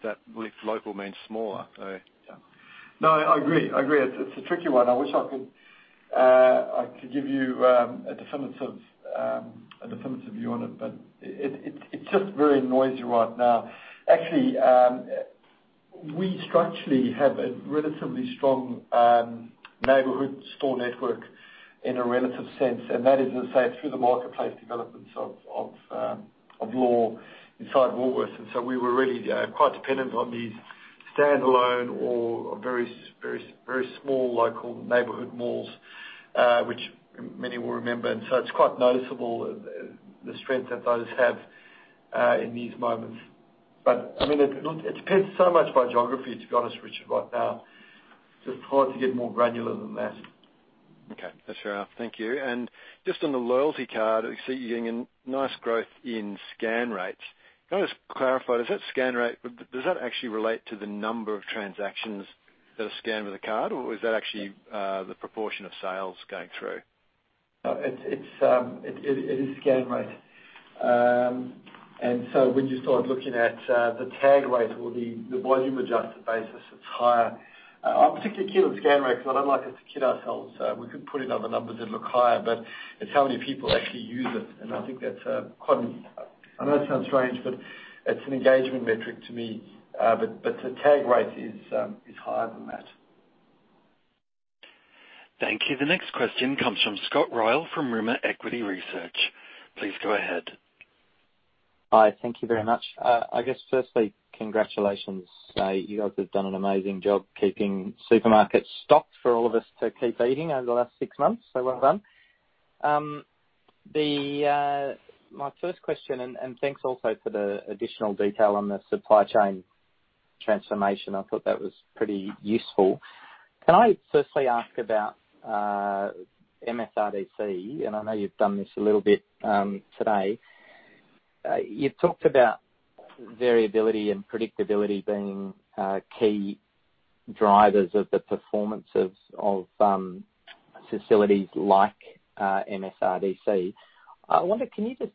local means smaller, so yeah. No, I agree. I agree. It's a tricky one. I wish I could give you a definitive view on it, but it's just very noisy right now. Actually, we structurally have a relatively strong neighborhood store network in a relative sense, and that is to say, through the marketplace developments of standalone Woolworths. And so we were really quite dependent on these standalone or very small local neighborhood malls, which many will remember. And so it's quite noticeable, the strength that those have in these moments. But, I mean, it depends so much by geography, to be honest, Richard, right now. Just hard to get more granular than that. Okay. That's fair. Thank you. And just on the loyalty card, we see you're getting a nice growth in scan rates. Can I just clarify, does that scan rate, does that actually relate to the number of transactions that are scanned with a card, or is that actually, the proportion of sales going through? No, it's scan rate, and so when you start looking at the tag rate or the volume-adjusted basis, it's higher. I'm particularly keen on scan rate because I'd like us to kid ourselves. We could put in other numbers that look higher, but it's how many people actually use it, and I think that's quite an... I know it sounds strange, but it's an engagement metric to me, but the tag rate is higher than that. Thank you. The next question comes from Scott Ryall, from Rimor Equity Research. Please go ahead. Hi, thank you very much. I guess firstly, congratulations. You guys have done an amazing job keeping supermarkets stocked for all of us to keep eating over the last six months, so well done. My first question... and thanks also for the additional detail on the supply chain transformation. I thought that was pretty useful. Can I firstly ask about MSRDC? And I know you've done this a little bit today. You talked about variability and predictability being key drivers of the performance of facilities like MSRDC. I wonder, can you just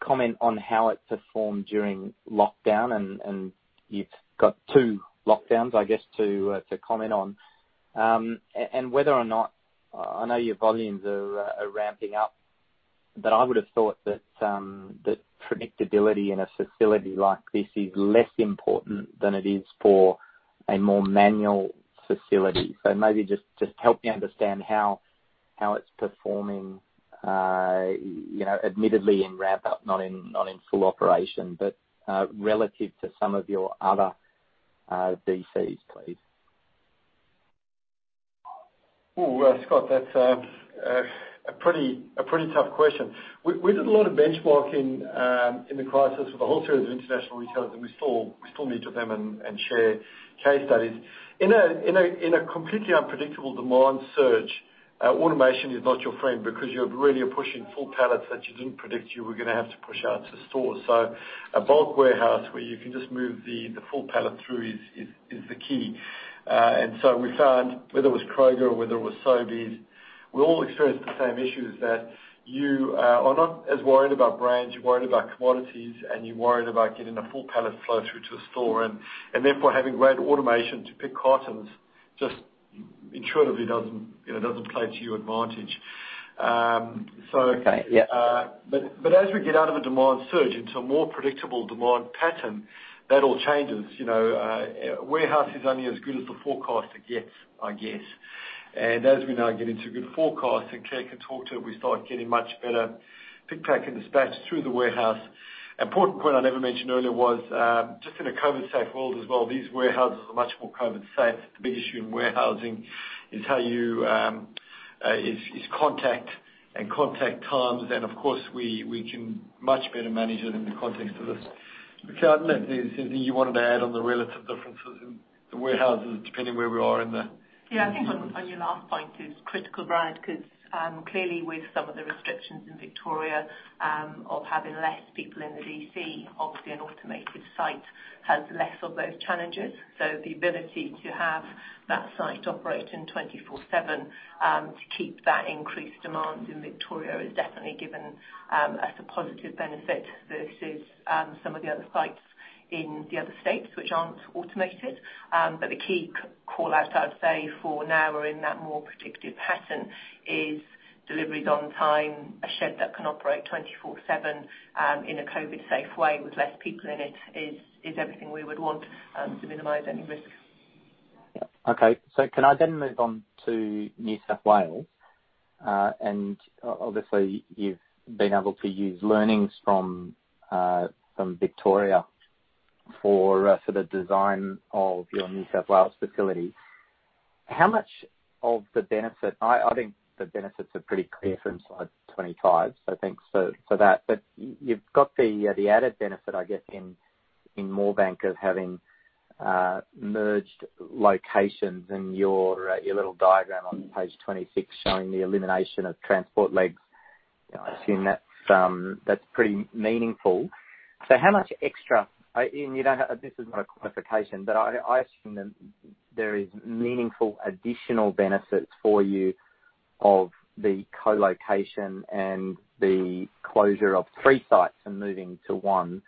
comment on how it performed during lockdown, and you've got two lockdowns, I guess, to comment on. And whether or not, I know your volumes are ramping up-... But I would have thought that that predictability in a facility like this is less important than it is for a more manual facility. So maybe just help me understand how it's performing, you know, admittedly in ramp-up, not in full operation, but relative to some of your other DCs, please. Scott, that's a pretty tough question. We did a lot of benchmarking in the crisis with a whole series of international retailers, and we still meet with them and share case studies. In a completely unpredictable demand surge, automation is not your friend because you really are pushing full pallets that you didn't predict you were gonna have to push out to store. So a bulk warehouse, where you can just move the full pallet through is the key. And so we found whether it was Kroger or whether it was Sobeys, we all experienced the same issues that you are not as worried about brands, you're worried about commodities, and you're worried about getting a full pallet flow through to a store, and therefore, having great automation to pick items just intuitively doesn't, you know, doesn't play to your advantage. Okay, yeah. But as we get out of a demand surge into a more predictable demand pattern, that all changes. You know, a warehouse is only as good as the forecast it gets, I guess. And as we now get into good forecast, and Claire can talk to it, we start getting much better pick, pack, and dispatch through the warehouse. Important point I never mentioned earlier was, just in a COVIDSafe world as well, these warehouses are much more COVIDSafe. The big issue in warehousing is how you contact and contact times. And of course, we can much better manage it in the context of this. Claire, is there anything you wanted to add on the relative differences in the warehouses, depending where we are in the- Yeah, I think on your last point is critical, Brad, 'cause clearly with some of the restrictions in Victoria of having less people in the DC, obviously an automated site has less of those challenges. So the ability to have that site operating twenty-four/seven to keep that increased demand in Victoria is definitely given as a positive benefit versus some of the other sites in the other states which aren't automated. But the key call out, I'd say, for now we're in that more predictive pattern is deliveries on time, a shed that can operate twenty-four/seven in a COVID-safe way with less people in it is everything we would want to minimize any risk. Yeah. Okay, so can I then move on to New South Wales? And obviously, you've been able to use learnings from Victoria for the design of your New South Wales facility. How much of the benefit... I think the benefits are pretty clear from slide twenty-five, so thanks for that. But you've got the added benefit, I guess, in Moorebank of having merged locations in your little diagram on page twenty-six, showing the elimination of transport legs. I assume that's pretty meaningful. So how much extra? And you don't have-- this is not a qualification, but I assume that there is meaningful additional benefits for you of the co-location and the closure of three sites and moving to one,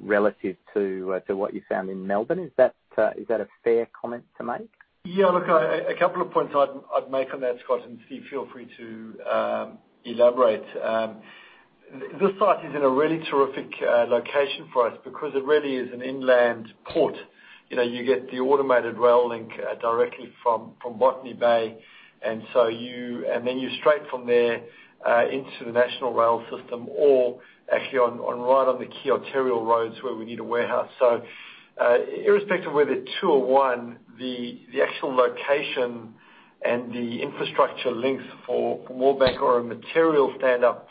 relative to what you found in Melbourne. Is that a fair comment to make? Yeah, look, a couple of points I'd make on that, Scott, and Steve, feel free to elaborate. This site is in a really terrific location for us because it really is an inland port. You know, you get the automated rail link directly from Botany Bay, and so you... And then you're straight from there into the national rail system or actually on right on the key arterial roads where we need a warehouse. So, irrespective whether two or one, the actual location and the infrastructure links for Moorebank are a material standout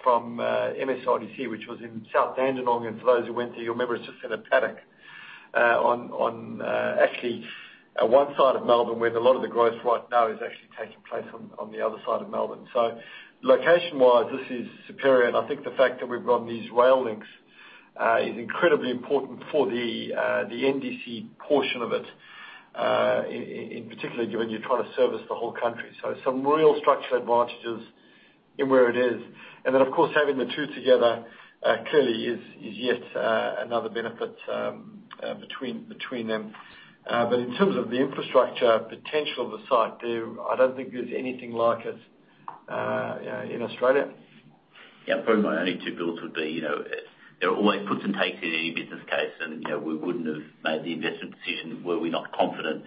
from MSRDC, which was in South Dandenong. And for those who went there, you'll remember it's just in a paddock, actually, one side of Melbourne, where a lot of the growth right now is actually taking place on the other side of Melbourne. So location-wise, this is superior, and I think the fact that we've got these rail links is incredibly important for the NDC portion of it, in particular, given you're trying to service the whole country. So some real structural advantages in where it is. And then, of course, having the two together clearly is yet another benefit between them. But in terms of the infrastructure potential of the site, there I don't think there's anything like it in Australia. Yeah, probably my only two builds would be, you know, there are always puts and takes in any business case, and, you know, we wouldn't have made the investment decision were we not confident.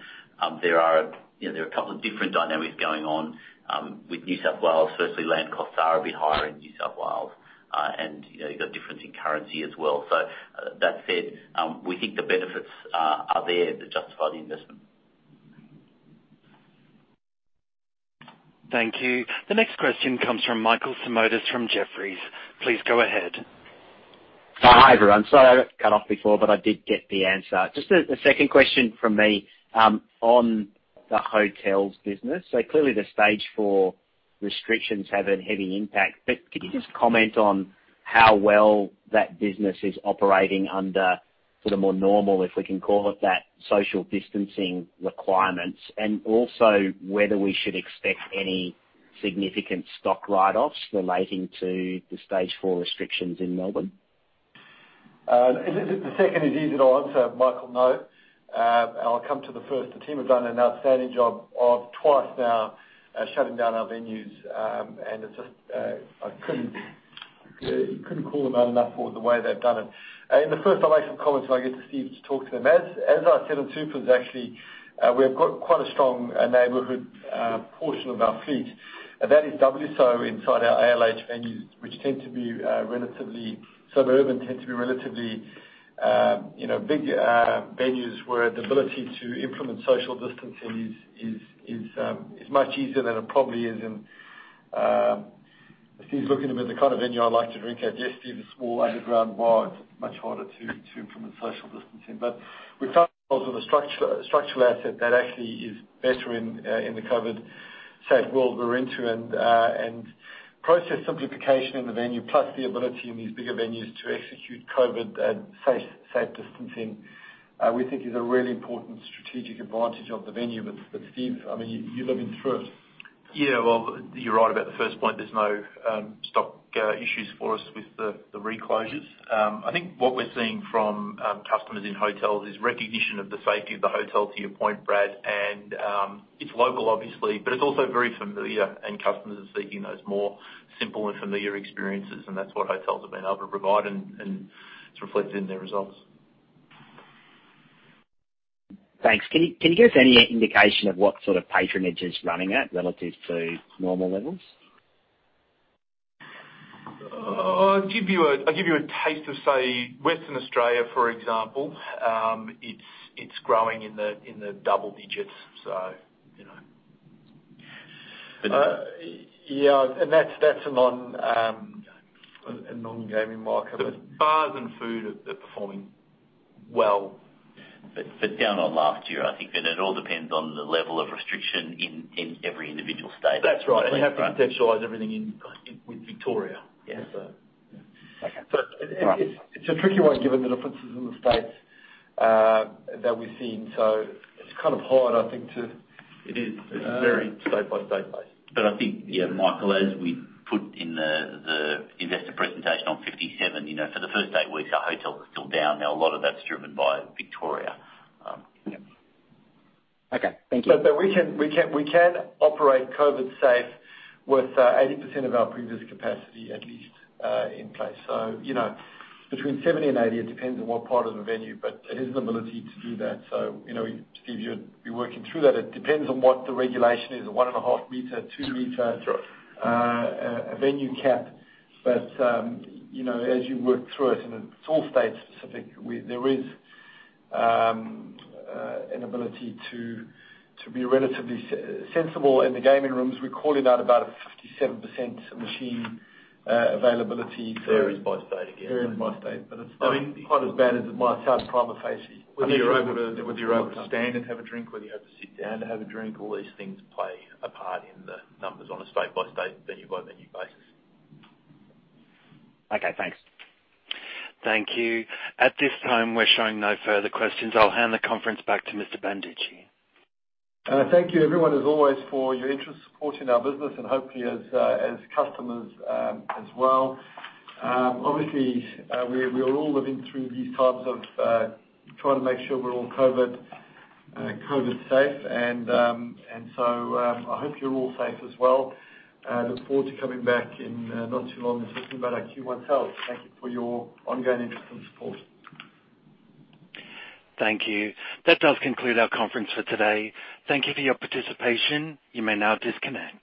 There are, you know, there are a couple of different dynamics going on, with New South Wales. Firstly, land costs are a bit higher in New South Wales, and, you know, you've got difference in currency as well. So that said, we think the benefits are there to justify the investment. Thank you. The next question comes from Michael Simotas from Jefferies. Please go ahead. Oh, hi, everyone. Sorry, I got cut off before, but I did get the answer. Just a second question from me on the hotels business. So clearly, the Stage 4 restrictions have a heavy impact, but could you just comment on how well that business is operating under sort of more normal, if we can call it that, social distancing requirements? And also, whether we should expect any significant stock write-offs relating to the Stage 4 restrictions in Melbourne?... The second is easy to answer, Michael, no. And I'll come to the first. The team have done an outstanding job of twice now shutting down our venues. And it's just, I couldn't call them out enough for the way they've done it. In the first, I'll make some comments when I get to Steve to talk to them. As I said on pubs actually, we've got quite a strong neighborhood portion of our fleet. And that is doubly so inside our ALH venues, which tend to be relatively suburban, you know big venues, where the ability to implement social distancing is much easier than it probably is in... If he's looking at the kind of venue I'd like to drink at, yes, Steve, a small underground bar, it's much harder to implement social distancing. But we've found with a structural asset that actually is better in the COVIDSafe world we're into. And process simplification in the venue, plus the ability in these bigger venues to execute COVIDSafe distancing, we think is a really important strategic advantage of the venue. But Steve, I mean, you're living through it. Yeah, well, you're right about the first point. There's no stock issues for us with the reclosures. I think what we're seeing from customers in hotels is recognition of the safety of the hotel, to your point, Brad. And it's local, obviously, but it's also very familiar, and customers are seeking those more simple and familiar experiences, and that's what hotels have been able to provide, and it's reflected in their results. Thanks. Can you, can you give us any indication of what sort of patronage it's running at relative to normal levels? I'll give you a taste of, say, Western Australia, for example. It's growing in the double digits, so you know. Yeah, and that's a non-gaming market. But bars and food are performing well. But down on last year, I think that it all depends on the level of restriction in every individual state. That's right. Right. We have to contextualize everything in with Victoria. Yeah. So. Okay. But it's a tricky one, given the differences in the states that we've seen. So it's kind of hard, I think, to- It is. It's very state-by-state basis. But I think, yeah, Michael, as we put in the investor presentation on 57, you know, for the first eight weeks, our hotels are still down. Now, a lot of that's driven by Victoria. Yeah. Okay, thank you. We can operate COVIDSafe with 80% of our previous capacity, at least, in place. You know, between 70 and 80, it depends on what part of the venue, but it is the ability to do that. You know, Steve, you're working through that. It depends on what the regulation is, a 1.5-meter, 2-meter- Sure. A venue cap. But, you know, as you work through it, and it's all state specific, there is an ability to be relatively sensible in the gaming rooms. We're calling out about a 57% machine availability. Varies by state again. Varies by state, but it's not quite as bad as it might sound prima facie. Whether you're able to stand and have a drink, whether you have to sit down to have a drink, all these things play a part in the numbers on a state-by-state, venue-by-venue basis. Okay, thanks. Thank you. At this time, we're showing no further questions. I'll hand the conference back to Mr. Banducci. Thank you everyone, as always, for your interest and support in our business, and hopefully as customers, as well. Obviously, we're all living through these times of trying to make sure we're all COVIDSafe, and so I hope you're all safe as well. Look forward to coming back in not too long and talking about our Q1 sales. Thank you for your ongoing interest and support. Thank you. That does conclude our conference for today. Thank you for your participation. You may now disconnect.